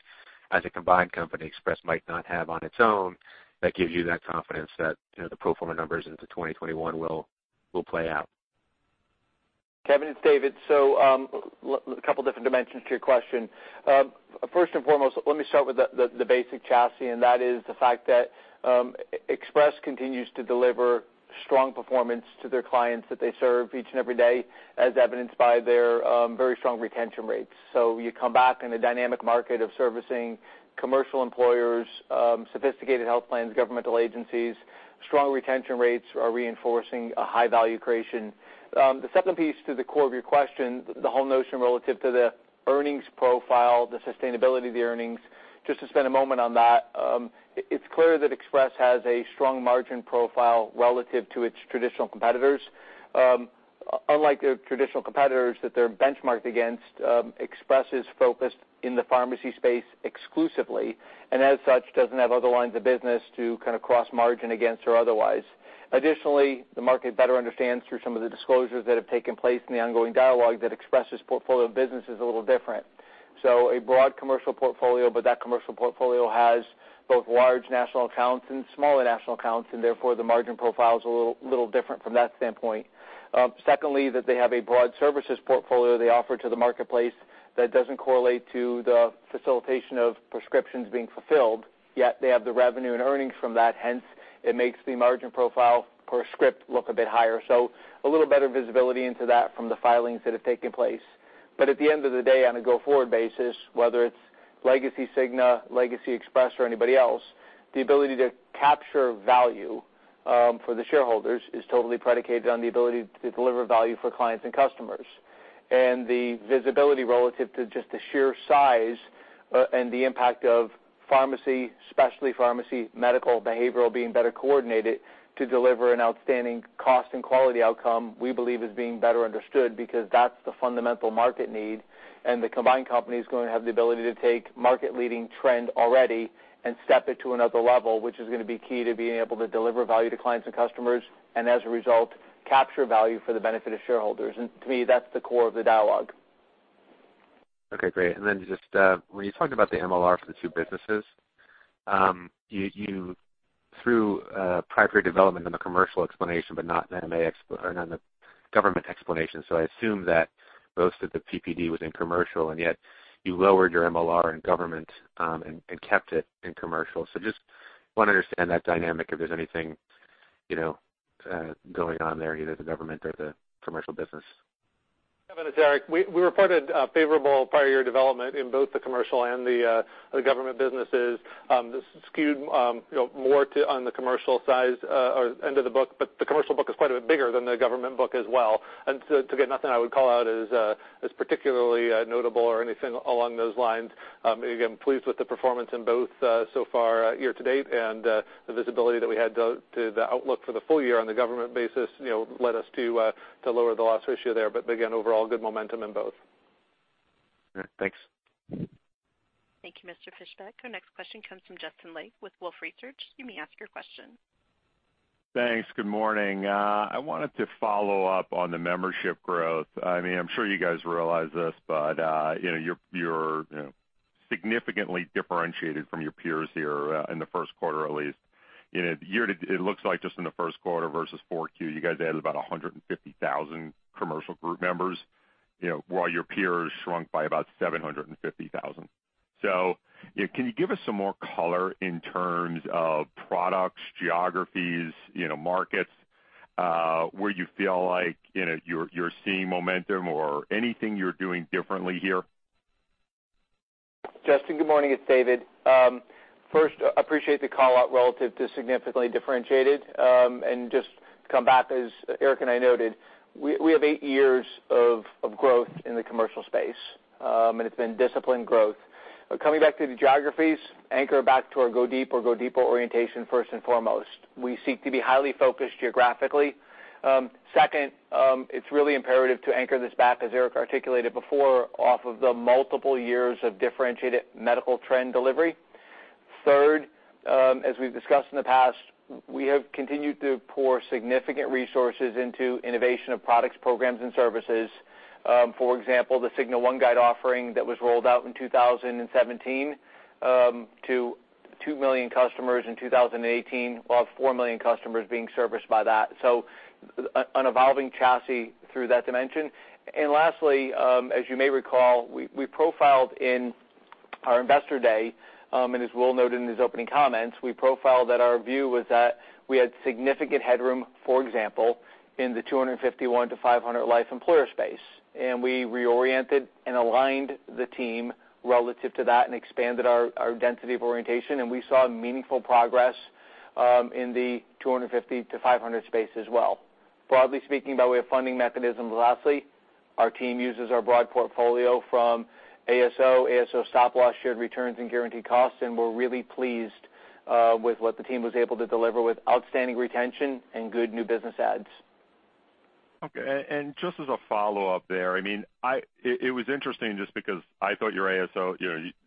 as a combined company, Express might not have on its own that gives you that confidence that the pro forma numbers into 2021 will play out? Kevin, it's David. A couple different dimensions to your question. First and foremost, let me start with the basic chassis, that is the fact that Express continues to deliver strong performance to their clients that they serve each and every day, as evidenced by their very strong retention rates. You come back in a dynamic market of servicing commercial employers, sophisticated health plans, governmental agencies, strong retention rates are reinforcing a high value creation. The second piece to the core of your question, the whole notion relative to the earnings profile, the sustainability of the earnings, just to spend a moment on that, it's clear that Express has a strong margin profile relative to its traditional competitors. Unlike the traditional competitors that they're benchmarked against, Express is focused in the pharmacy space exclusively, and as such, doesn't have other lines of business to kind of cross-margin against or otherwise. Additionally, the market better understands through some of the disclosures that have taken place in the ongoing dialogue that Express' portfolio of business is a little different. A broad commercial portfolio, but that commercial portfolio has both large national accounts and smaller national accounts, therefore, the margin profile is a little different from that standpoint. Secondly, that they have a broad services portfolio they offer to the marketplace that doesn't correlate to the facilitation of prescriptions being fulfilled, they have the revenue and earnings from that, hence it makes the margin profile per script look a bit higher. A little better visibility into that from the filings that have taken place. At the end of the day, on a go-forward basis, whether it's legacy Cigna, legacy Express, or anybody else, the ability to capture value for the shareholders is totally predicated on the ability to deliver value for clients and customers. The visibility relative to just the sheer size and the impact of pharmacy, specialty pharmacy, medical, behavioral being better coordinated to deliver an outstanding cost and quality outcome, we believe is being better understood because that's the fundamental market need, the combined company is going to have the ability to take market-leading trend already and step it to another level, which is going to be key to being able to deliver value to clients and customers, as a result, capture value for the benefit of shareholders. To me, that's the core of the dialogue. Okay, great. Then just when you talked about the MLR for the two businesses, you threw prior period development in the commercial explanation, but not in the government explanation. I assume that most of the PPD was in commercial, you lowered your MLR in government and kept it in commercial. Just want to understand that dynamic, if there's anything going on there, either the government or the commercial business. Kevin, it's Eric. We reported favorable prior year development in both the commercial and the government businesses. This skewed more on the commercial size or end of the book, but the commercial book is quite a bit bigger than the government book as well. Again, nothing I would call out as particularly notable or anything along those lines. Again, pleased with the performance in both so far year-to-date and the visibility that we had to the outlook for the full year on the government basis led us to lower the loss ratio there. Again, overall good momentum in both. All right, thanks. Thank you, Mr. Fischbeck. Our next question comes from Justin Lake with Wolfe Research. You may ask your question. Thanks. Good morning. I wanted to follow up on the membership growth. I'm sure you guys realize this, you're significantly differentiated from your peers here in the first quarter at least. It looks like just in the first quarter versus 4Q, you guys added about 150,000 commercial group members, while your peers shrunk by about 750,000. Can you give us some more color in terms of products, geographies, markets, where you feel like you're seeing momentum or anything you're doing differently here? Justin, good morning. It's David. First, appreciate the call out relative to significantly differentiated, and just to come back, as Eric and I noted, we have eight years of growth in the commercial space, and it's been disciplined growth. Coming back to the geographies, anchor back to our go deep or go deeper orientation first and foremost. We seek to be highly focused geographically. Second, it's really imperative to anchor this back, as Eric articulated before, off of the multiple years of differentiated medical trend delivery. Third, as we've discussed in the past, we have continued to pour significant resources into innovation of products, programs, and services. For example, the Cigna OneGuide offering that was rolled out in 2017 to 2 million customers in 2018. We'll have 4 million customers being serviced by that. An evolving chassis through that dimension. Lastly, as you may recall, we profiled in our investor day, and as Will noted in his opening comments, we profiled that our view was that we had significant headroom, for example, in the 251-500 life employer space. We reoriented and aligned the team relative to that and expanded our density of orientation, and we saw meaningful progress in the 250-500 space as well. Broadly speaking, by way of funding mechanisms, lastly, our team uses our broad portfolio from ASO stop loss, shared returns, and guaranteed costs. We're really pleased with what the team was able to deliver with outstanding retention and good new business adds. Okay. Just as a follow-up there, it was interesting just because I thought your ASO,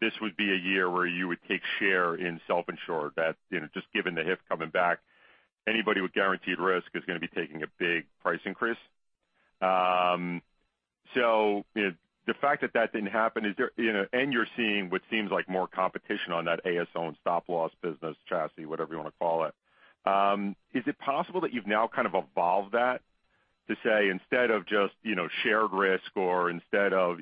this would be a year where you would take share in self-insured, just given the HIF coming back. Anybody with guaranteed risk is going to be taking a big price increase. The fact that that didn't happen, and you're seeing what seems like more competition on that ASO and stop loss business chassis, whatever you want to call it, is it possible that you've now kind of evolved that to say, instead of just shared risk or instead of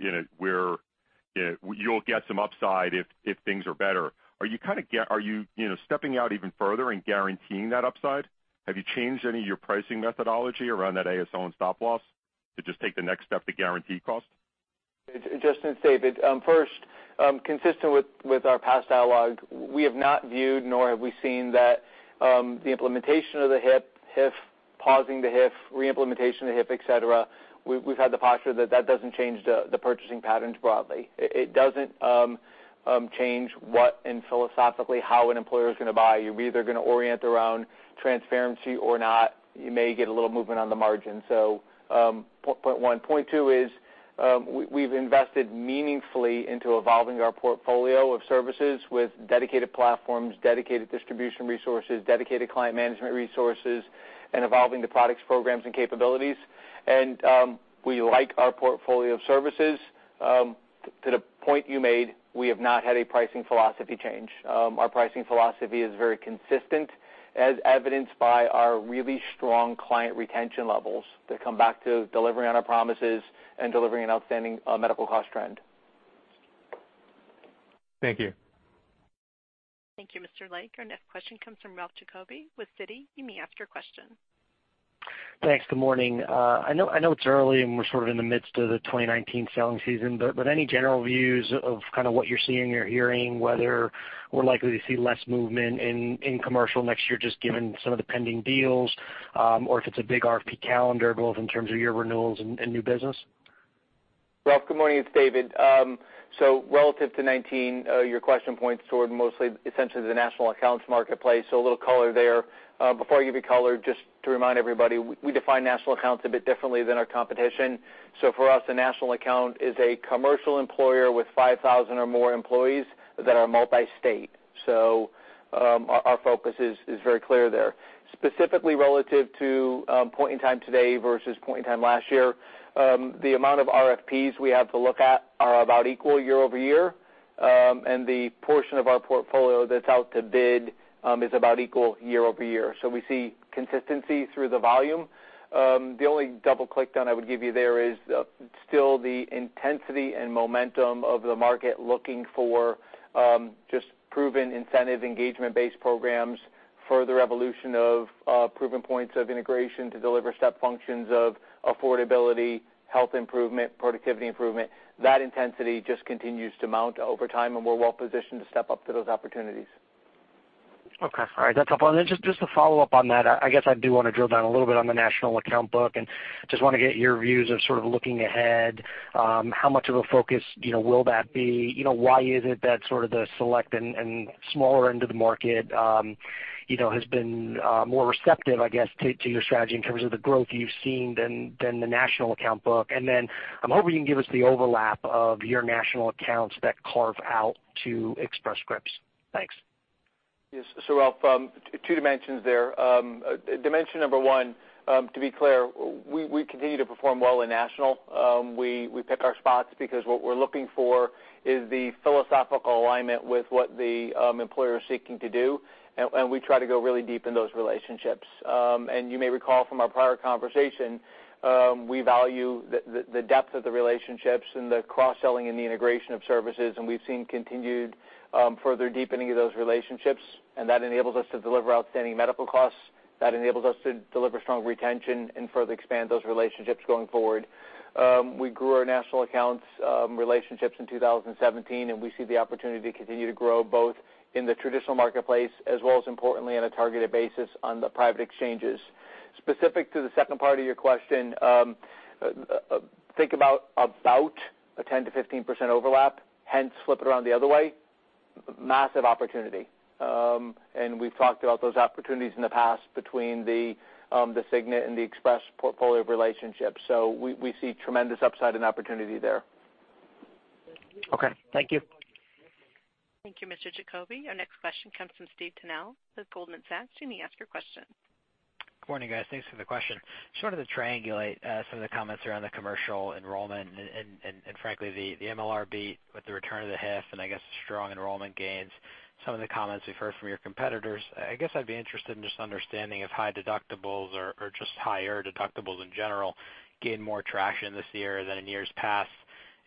you'll get some upside if things are better, are you stepping out even further and guaranteeing that upside? Have you changed any of your pricing methodology around that ASO and stop loss to just take the next step to guarantee cost? Justin, David. First, consistent with our past dialogue, we have not viewed nor have we seen that the implementation of the HIF, pausing the HIF, re-implementation of the HIF, et cetera, we've had the posture that that doesn't change the purchasing patterns broadly. It doesn't change what and philosophically how an employer is going to buy. You're either going to orient around transparency or not. You may get a little movement on the margin. Point one. Point two is, we've invested meaningfully into evolving our portfolio of services with dedicated platforms, dedicated distribution resources, dedicated client management resources, and evolving the products, programs, and capabilities. We like our portfolio of services. To the point you made, we have not had a pricing philosophy change. Our pricing philosophy is very consistent, as evidenced by our really strong client retention levels that come back to delivering on our promises and delivering an outstanding medical cost trend. Thank you. Thank you, Mr. Lake. Our next question comes from Ralph Giacobbe with Citi. You may ask your question. Thanks. Good morning. I know it's early, and we're sort of in the midst of the 2019 selling season, but any general views of kind of what you're seeing or hearing, whether we're likely to see less movement in commercial next year, just given some of the pending deals, or if it's a big RFP calendar, both in terms of year renewals and new business? Ralph, good morning. It's David. Relative to 2019, your question points toward mostly essentially the national accounts marketplace. A little color there. Before I give you color, just to remind everybody, we define national accounts a bit differently than our competition. For us, a national account is a commercial employer with 5,000 or more employees that are multi-state. Our focus is very clear there. Specifically relative to point in time today versus point in time last year, the amount of RFPs we have to look at are about equal year-over-year. The portion of our portfolio that's out to bid is about equal year-over-year. We see consistency through the volume. The only double click then I would give you there is still the intensity and momentum of the market looking for just proven incentive engagement-based programs, further evolution of proven points of integration to deliver step functions of affordability, health improvement, productivity improvement. That intensity just continues to mount over time, and we're well-positioned to step up to those opportunities. Okay. All right. That's helpful. Just to follow up on that, I guess I do want to drill down a little bit on the national account book and just want to get your views of sort of looking ahead. How much of a focus will that be? Why is it that sort of the select and smaller end of the market has been more receptive, I guess, to your strategy in terms of the growth you've seen than the national account book? I'm hoping you can give us the overlap of your national accounts that carve out to Express Scripts. Thanks. Yes. Ralph, two dimensions there. Dimension number 1, to be clear, we continue to perform well in national. We pick our spots because what we're looking for is the philosophical alignment with what the employer is seeking to do, and we try to go really deep in those relationships. You may recall from our prior conversation, we value the depth of the relationships and the cross-selling and the integration of services, and we've seen continued further deepening of those relationships, and that enables us to deliver outstanding medical costs. That enables us to deliver strong retention and further expand those relationships going forward. We grew our national accounts relationships in 2017, and we see the opportunity to continue to grow both in the traditional marketplace as well as importantly on a targeted basis on the private exchanges. Specific to the second part of your question, think about a 10%-15% overlap, hence flip it around the other way, massive opportunity. We've talked about those opportunities in the past between the Cigna and the Express portfolio of relationships. We see tremendous upside and opportunity there. Okay. Thank you. Thank you, Mr. Giacobbe. Our next question comes from Stephen Tanal with Goldman Sachs. You may ask your question. Good morning, guys. Thanks for the question. Just wanted to triangulate some of the comments around the commercial enrollment and frankly, the MLR beat with the return of the HIF and I guess, the strong enrollment gains, some of the comments we've heard from your competitors. I guess I'd be interested in just understanding if high deductibles or just higher deductibles in general gain more traction this year than in years past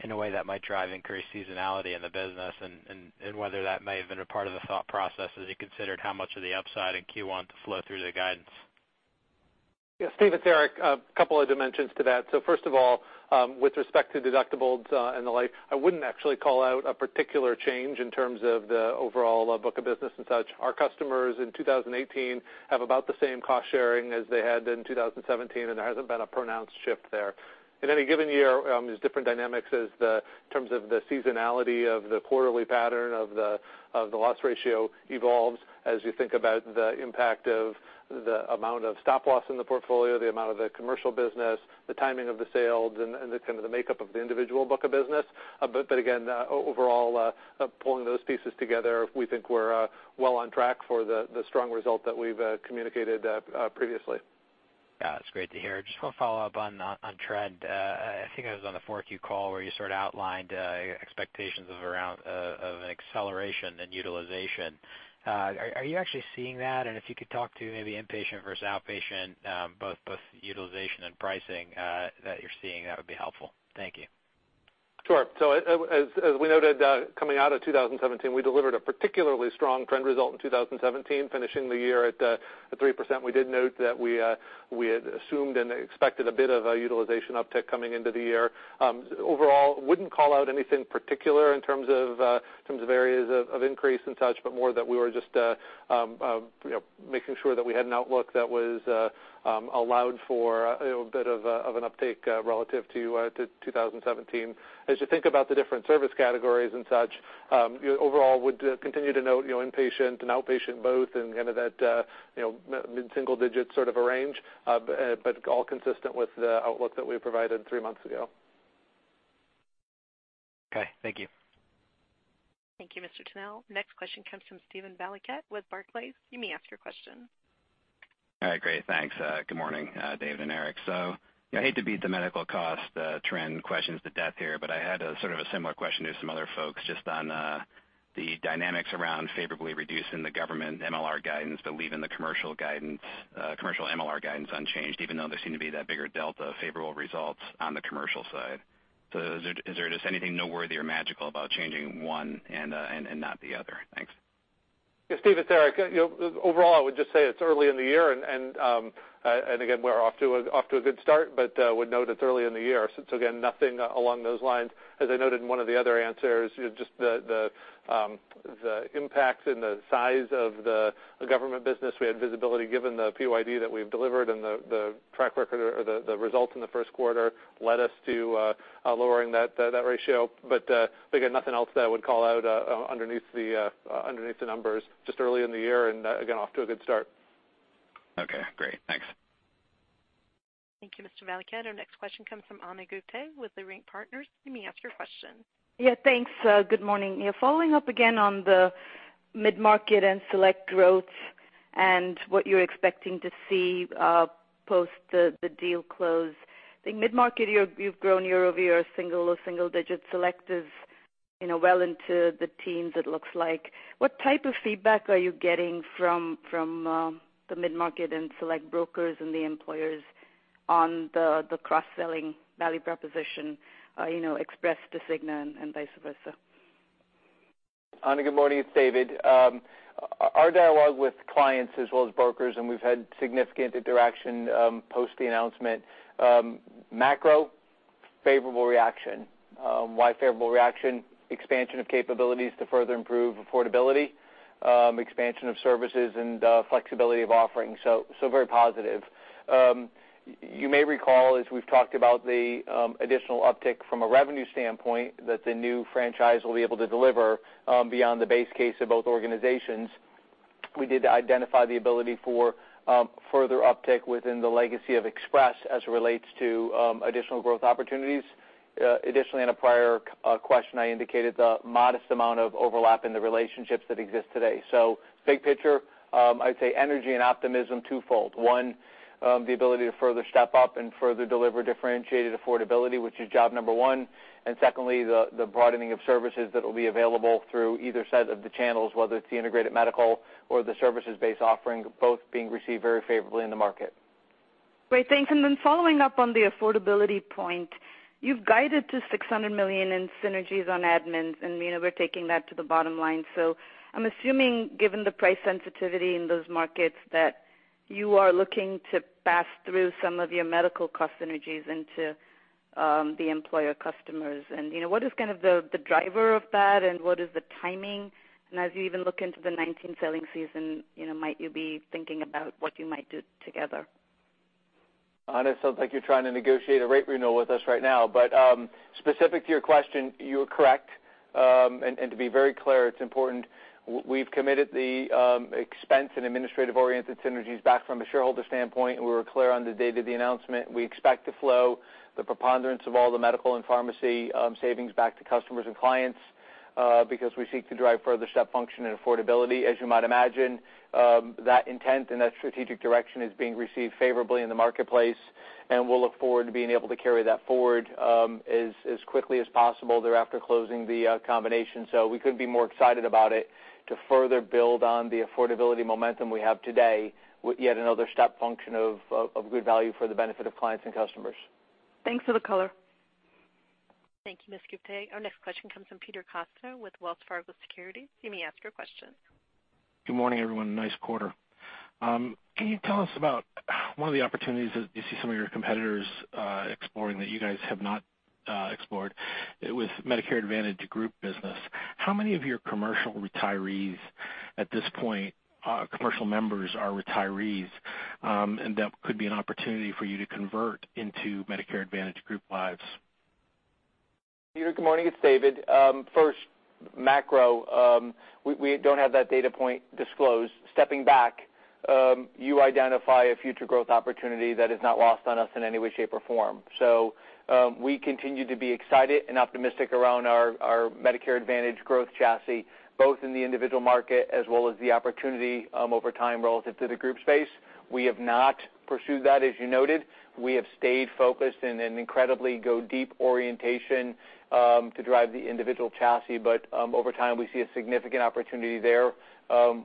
in a way that might drive increased seasonality in the business, and whether that may have been a part of the thought process as you considered how much of the upside in Q1 to flow through the guidance. Yes, Steve, it's Eric. A couple of dimensions to that. First of all, with respect to deductibles and the like, I wouldn't actually call out a particular change in terms of the overall book of business and such. Our customers in 2018 have about the same cost-sharing as they had in 2017, and there hasn't been a pronounced shift there. In any given year, there's different dynamics as the terms of the seasonality of the quarterly pattern of the loss ratio evolves as you think about the impact of the amount of stop loss in the portfolio, the amount of the commercial business, the timing of the sales, and the makeup of the individual book of business. Again, overall, pulling those pieces together, we think we're well on track for the strong result that we've communicated previously. Yeah. That's great to hear. Just one follow-up on trend. I think I was on the 4Q call where you sort of outlined expectations of around an acceleration in utilization. Are you actually seeing that? If you could talk to maybe inpatient versus outpatient, both utilization and pricing that you're seeing, that would be helpful. Thank you. Sure. As we noted coming out of 2017, we delivered a particularly strong trend result in 2017, finishing the year at 3%. We did note that we had assumed and expected a bit of a utilization uptick coming into the year. Overall, wouldn't call out anything particular in terms of areas of increase and such, more that we were just making sure that we had an outlook that allowed for a bit of an uptick relative to 2017. As you think about the different service categories and such, overall would continue to note inpatient and outpatient both in kind of that mid-single digit sort of a range, all consistent with the outlook that we provided three months ago. Okay, thank you. Thank you, Mr. Tanal. Next question comes from Steven Valiquette with Barclays. You may ask your question. All right, great. Thanks. Good morning, David and Eric. I hate to beat the medical cost trend questions to death here, but I had a sort of a similar question to some other folks just on the dynamics around favorably reducing the government MLR guidance, but leaving the commercial MLR guidance unchanged, even though there seemed to be that bigger delta of favorable results on the commercial side. Is there just anything noteworthy or magical about changing one and not the other? Thanks. Yes, Steve, it's Eric. Overall, I would just say it's early in the year, and again, we're off to a good start, but would note it's early in the year. Again, nothing along those lines. As I noted in one of the other answers, just the impacts and the size of the government business, we had visibility given the PYD that we've delivered and the track record or the results in the first quarter led us to lowering that ratio. Again, nothing else that I would call out underneath the numbers. Just early in the year and again, off to a good start. Okay, great. Thanks. Thank you, Mr. Valiquette. Our next question comes from Ana Gupte with Leerink Partners. You may ask your question. Yeah, thanks. Good morning. Following up again on the mid-market and select growth and what you're expecting to see post the deal close. I think mid-market, you've grown year-over-year single-digit select is well into the teens it looks like. What type of feedback are you getting from the mid-market and select brokers and the employers on the cross-selling value proposition, Express to Cigna and vice versa? Ana, good morning. It's David. Our dialogue with clients as well as brokers, and we've had significant interaction post the announcement, macro favorable reaction. Why favorable reaction? Expansion of capabilities to further improve affordability, expansion of services and flexibility of offerings. Very positive. You may recall, as we've talked about the additional uptick from a revenue standpoint that the new franchise will be able to deliver beyond the base case of both organizations. We did identify the ability for further uptick within the legacy of Express as it relates to additional growth opportunities. Additionally, in a prior question, I indicated the modest amount of overlap in the relationships that exist today. Big picture, I'd say energy and optimism twofold. One, the ability to further step up and further deliver differentiated affordability, which is job number 1. Secondly, the broadening of services that will be available through either set of the channels, whether it's the integrated medical or the services-based offering, both being received very favorably in the market. Great, thanks. Following up on the affordability point, you've guided to $600 million in synergies on admins, and we're taking that to the bottom line. I'm assuming given the price sensitivity in those markets that you are looking to pass through some of your medical cost synergies into the employer customers. What is kind of the driver of that and what is the timing? As you even look into the 2019 selling season, might you be thinking about what you might do together? Ana Gupte, it sounds like you're trying to negotiate a rate renewal with us right now. Specific to your question, you are correct. To be very clear, it's important, we've committed the expense and administrative-oriented synergies back from a shareholder standpoint, and we were clear on the date of the announcement. We expect to flow the preponderance of all the medical and pharmacy savings back to customers and clients, because we seek to drive further step function and affordability. You might imagine, that intent and that strategic direction is being received favorably in the marketplace, and we'll look forward to being able to carry that forward as quickly as possible thereafter closing the combination. We couldn't be more excited about it to further build on the affordability momentum we have today with yet another step function of good value for the benefit of clients and customers. Thanks for the color. Thank you, Ms. Gupte. Our next question comes from Peter Costa with Wells Fargo Securities. You may ask your question. Good morning, everyone. Nice quarter. Can you tell us about one of the opportunities that you see some of your competitors exploring that you guys have not explored with Medicare Advantage group business? How many of your commercial members are retirees, and that could be an opportunity for you to convert into Medicare Advantage group lives? Peter, good morning. It's David. First, macro, we don't have that data point disclosed. Stepping back, you identify a future growth opportunity that is not lost on us in any way, shape, or form. We continue to be excited and optimistic around our Medicare Advantage growth chassis, both in the individual market as well as the opportunity over time relative to the group space. We have not pursued that, as you noted. We have stayed focused in an incredibly go deep orientation to drive the individual chassis. Over time, we see a significant opportunity there.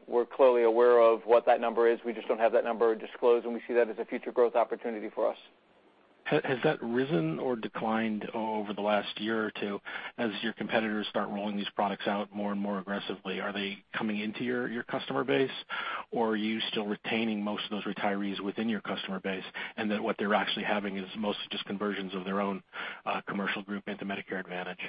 We're clearly aware of what that number is. We just don't have that number disclosed, and we see that as a future growth opportunity for us. Has that risen or declined over the last year or two as your competitors start rolling these products out more and more aggressively? Are they coming into your customer base, or are you still retaining most of those retirees within your customer base, and that what they're actually having is mostly just conversions of their own commercial group into Medicare Advantage?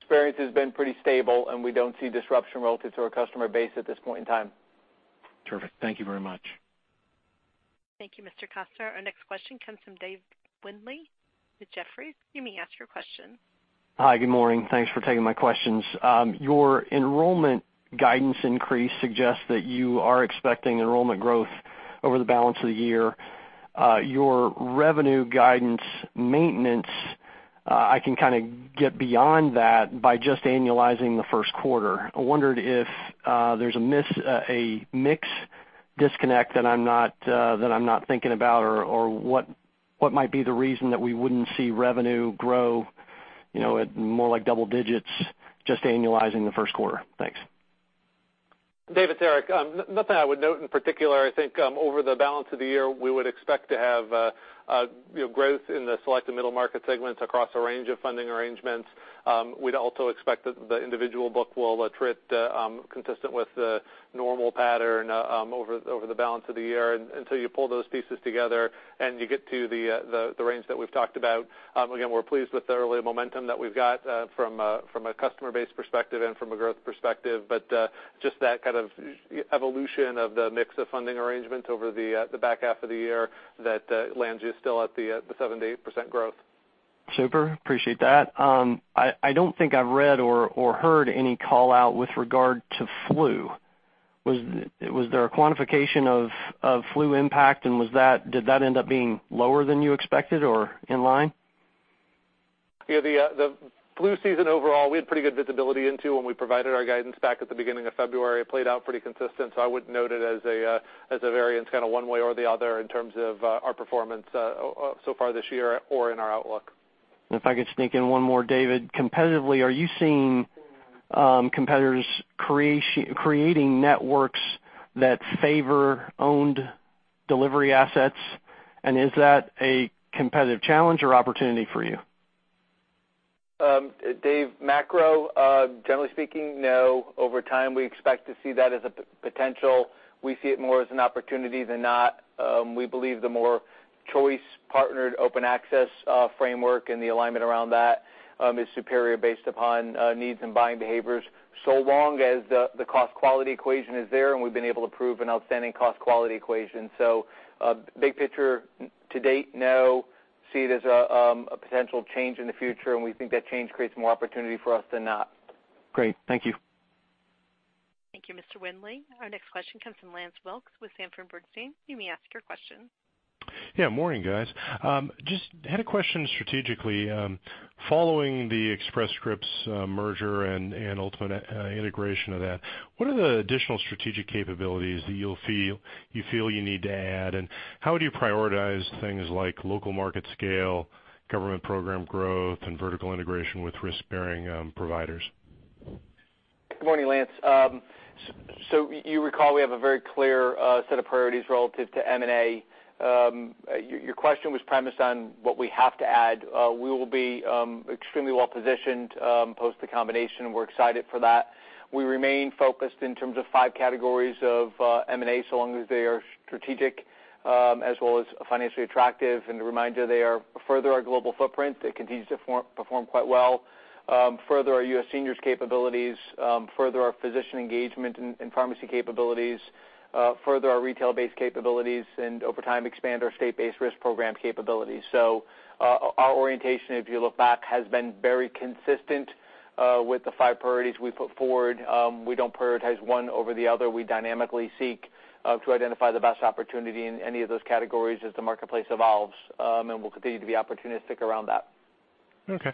Experience has been pretty stable, and we don't see disruption relative to our customer base at this point in time. Terrific. Thank you very much. Thank you, Mr. Costa. Our next question comes from Dave Windley with Jefferies. You may ask your question. Hi. Good morning. Thanks for taking my questions. Your enrollment guidance increase suggests that you are expecting enrollment growth over the balance of the year. Your revenue guidance maintenance, I can kind of get beyond that by just annualizing the first quarter. I wondered if there's a mix disconnect that I'm not thinking about, or what might be the reason that we wouldn't see revenue grow at more like double digits, just annualizing the first quarter. Thanks. Dave, it's Eric. Nothing I would note in particular. I think over the balance of the year, we would expect to have growth in the selected middle market segments across a range of funding arrangements. We'd also expect that the individual book will attrit consistent with the normal pattern over the balance of the year. You pull those pieces together, and you get to the range that we've talked about. We're pleased with the early momentum that we've got from a customer base perspective and from a growth perspective. Just that kind of evolution of the mix of funding arrangements over the back half of the year that lands you still at the 7%-8% growth. Super. Appreciate that. I don't think I've read or heard any call-out with regard to flu. Was there a quantification of flu impact, and did that end up being lower than you expected or in line? Yeah. The flu season overall, we had pretty good visibility into when we provided our guidance back at the beginning of February. It played out pretty consistent, I wouldn't note it as a variance kind of one way or the other in terms of our performance so far this year or in our outlook. If I could sneak in one more, David. Competitively, are you seeing competitors creating networks that favor owned delivery assets, and is that a competitive challenge or opportunity for you? Dave, macro, generally speaking, no. Over time, we expect to see that as a potential. We see it more as an opportunity than not. We believe the more choice partnered open access framework and the alignment around that is superior based upon needs and buying behaviors, so long as the cost-quality equation is there, and we've been able to prove an outstanding cost-quality equation. Big picture, to date, no. See it as a potential change in the future, and we think that change creates more opportunity for us than not. Great. Thank you. Thank you, Mr. Windley. Our next question comes from Lance Wilkes with Sanford Bernstein. You may ask your question. Morning, guys. Just had a question strategically. Following the Express Scripts merger and ultimate integration of that, what are the additional strategic capabilities that you feel you need to add, and how do you prioritize things like local market scale, government program growth, and vertical integration with risk-bearing providers? Good morning, Lance. You recall we have a very clear set of priorities relative to M&A. Your question was premised on what we have to add. We will be extremely well-positioned post the combination. We're excited for that. We remain focused in terms of five categories of M&A, so long as they are strategic as well as financially attractive. A reminder, they further our global footprint. It continues to perform quite well. Further our U.S. seniors capabilities, further our physician engagement and pharmacy capabilities, further our retail-based capabilities and over time expand our state-based risk program capabilities. Our orientation, if you look back, has been very consistent with the five priorities we put forward. We don't prioritize one over the other. We dynamically seek to identify the best opportunity in any of those categories as the marketplace evolves, and we'll continue to be opportunistic around that. Okay.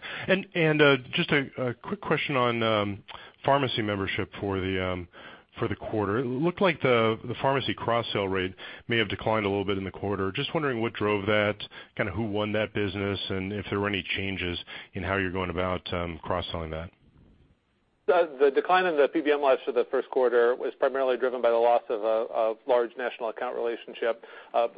Just a quick question on pharmacy membership for the quarter. It looked like the pharmacy cross-sell rate may have declined a little bit in the quarter. Just wondering what drove that, kind of who won that business, and if there were any changes in how you're going about cross-selling that. The decline in the PBM lives for the first quarter was primarily driven by the loss of a large national account relationship.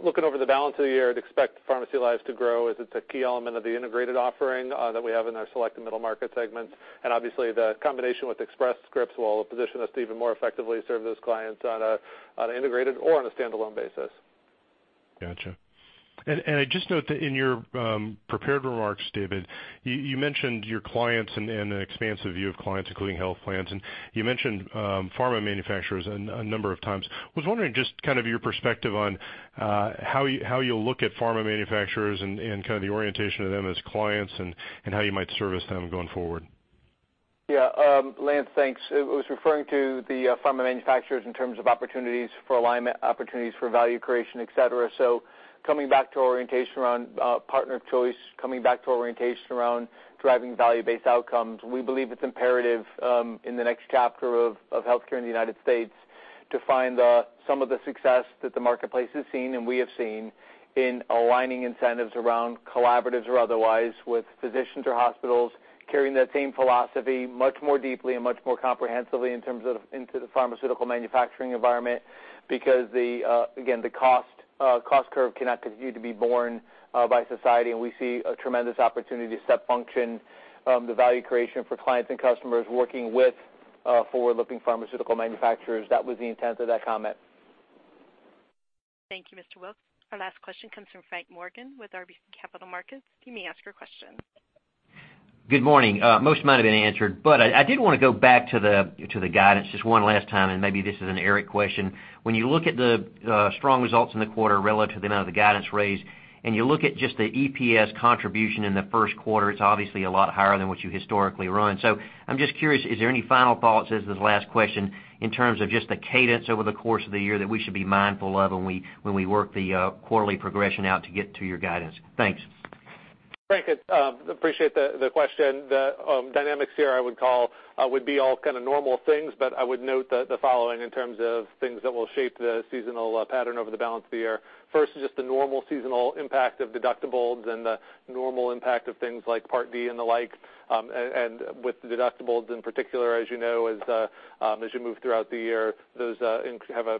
Looking over the balance of the year, I'd expect pharmacy lives to grow as it's a key element of the integrated offering that we have in our select and middle market segments. Obviously, the combination with Express Scripts will position us to even more effectively serve those clients on an integrated or on a standalone basis. Got you. I just note that in your prepared remarks, David, you mentioned your clients and an expansive view of clients, including health plans, and you mentioned pharma manufacturers a number of times. I was wondering just kind of your perspective on how you look at pharma manufacturers and kind of the orientation of them as clients and how you might service them going forward. Yeah. Lance, thanks. I was referring to the pharma manufacturers in terms of opportunities for alignment, opportunities for value creation, et cetera. Coming back to our orientation around partner choice, coming back to our orientation around driving value-based outcomes, we believe it's imperative in the next chapter of healthcare in the U.S. to find some of the success that the marketplace has seen and we have seen in aligning incentives around collaboratives or otherwise with physicians or hospitals carrying that same philosophy much more deeply and much more comprehensively into the pharmaceutical manufacturing environment because, again, the cost curve cannot continue to be borne by society, and we see a tremendous opportunity to step function the value creation for clients and customers working with forward-looking pharmaceutical manufacturers. That was the intent of that comment. Thank you, Mr. Wilkes. Our last question comes from Frank Morgan with RBC Capital Markets. You may ask your question. Good morning. Most might've been answered, but I did want to go back to the guidance just one last time, and maybe this is an Eric question. When you look at the strong results in the quarter relative to the amount of the guidance raised, and you look at just the EPS contribution in the first quarter, it's obviously a lot higher than what you historically run. I'm just curious, is there any final thoughts as this last question in terms of just the cadence over the course of the year that we should be mindful of when we work the quarterly progression out to get to your guidance? Thanks. Frank, appreciate the question. The dynamics here I would call would be all kind of normal things, but I would note the following in terms of things that will shape the seasonal pattern over the balance of the year. First is just the normal seasonal impact of deductibles and the normal impact of things like Part D and the like. With the deductibles, in particular, as you know, as you move throughout the year, those have an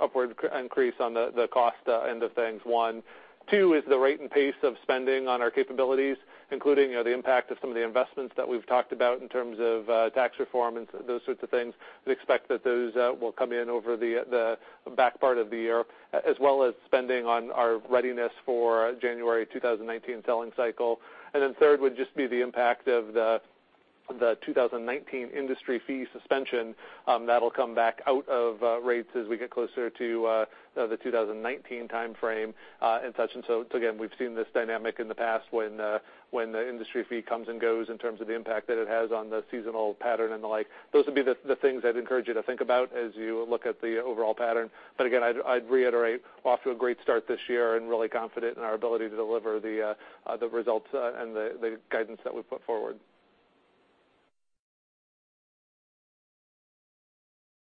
upward increase on the cost end of things, one. Two is the rate and pace of spending on our capabilities, including the impact of some of the investments that we've talked about in terms of tax reform and those sorts of things. We expect that those will come in over the back part of the year, as well as spending on our readiness for January 2019 selling cycle. Third would just be the impact of the 2019 industry fee suspension that'll come back out of rates as we get closer to the 2019 timeframe and such. Again, we've seen this dynamic in the past when the industry fee comes and goes in terms of the impact that it has on the seasonal pattern and the like. Those would be the things I'd encourage you to think about as you look at the overall pattern. Again, I'd reiterate, we're off to a great start this year and really confident in our ability to deliver the results and the guidance that we've put forward.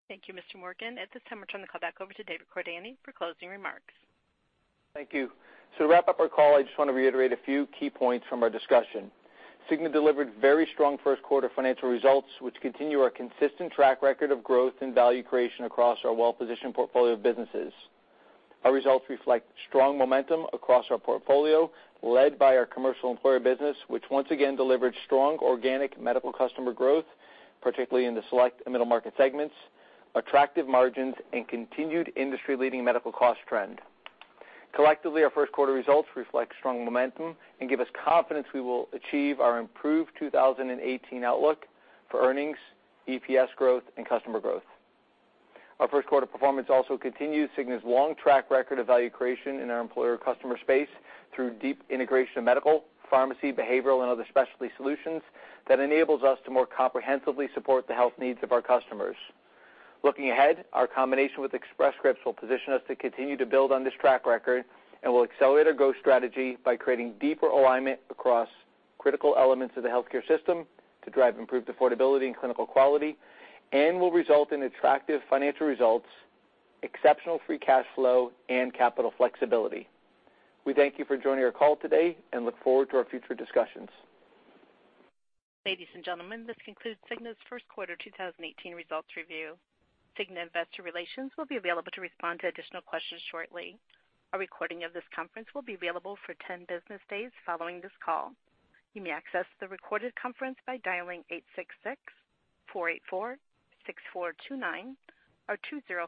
Thank you, Mr. Morgan. At this time, I turn the call back over to David Cordani for closing remarks. Thank you. To wrap up our call, I just want to reiterate a few key points from our discussion. Cigna delivered very strong first quarter financial results, which continue our consistent track record of growth and value creation across our well-positioned portfolio of businesses. Our results reflect strong momentum across our portfolio, led by our commercial employer business, which once again delivered strong organic medical customer growth, particularly in the select and middle market segments, attractive margins, and continued industry-leading medical cost trend. Collectively, our first quarter results reflect strong momentum and give us confidence we will achieve our improved 2018 outlook for earnings, EPS growth, and customer growth. Our first quarter performance also continues Cigna's long track record of value creation in our employer customer space through deep integration of medical, pharmacy, behavioral, and other specialty solutions that enables us to more comprehensively support the health needs of our customers. Looking ahead, our combination with Express Scripts will position us to continue to build on this track record and will accelerate our growth strategy by creating deeper alignment across critical elements of the healthcare system to drive improved affordability and clinical quality and will result in attractive financial results, exceptional free cash flow, and capital flexibility. We thank you for joining our call today and look forward to our future discussions. Ladies and gentlemen, this concludes Cigna's first quarter 2018 results review. Cigna Investor Relations will be available to respond to additional questions shortly. A recording of this conference will be available for 10 business days following this call. You may access the recorded conference by dialing 866-484-6429 or [203-273].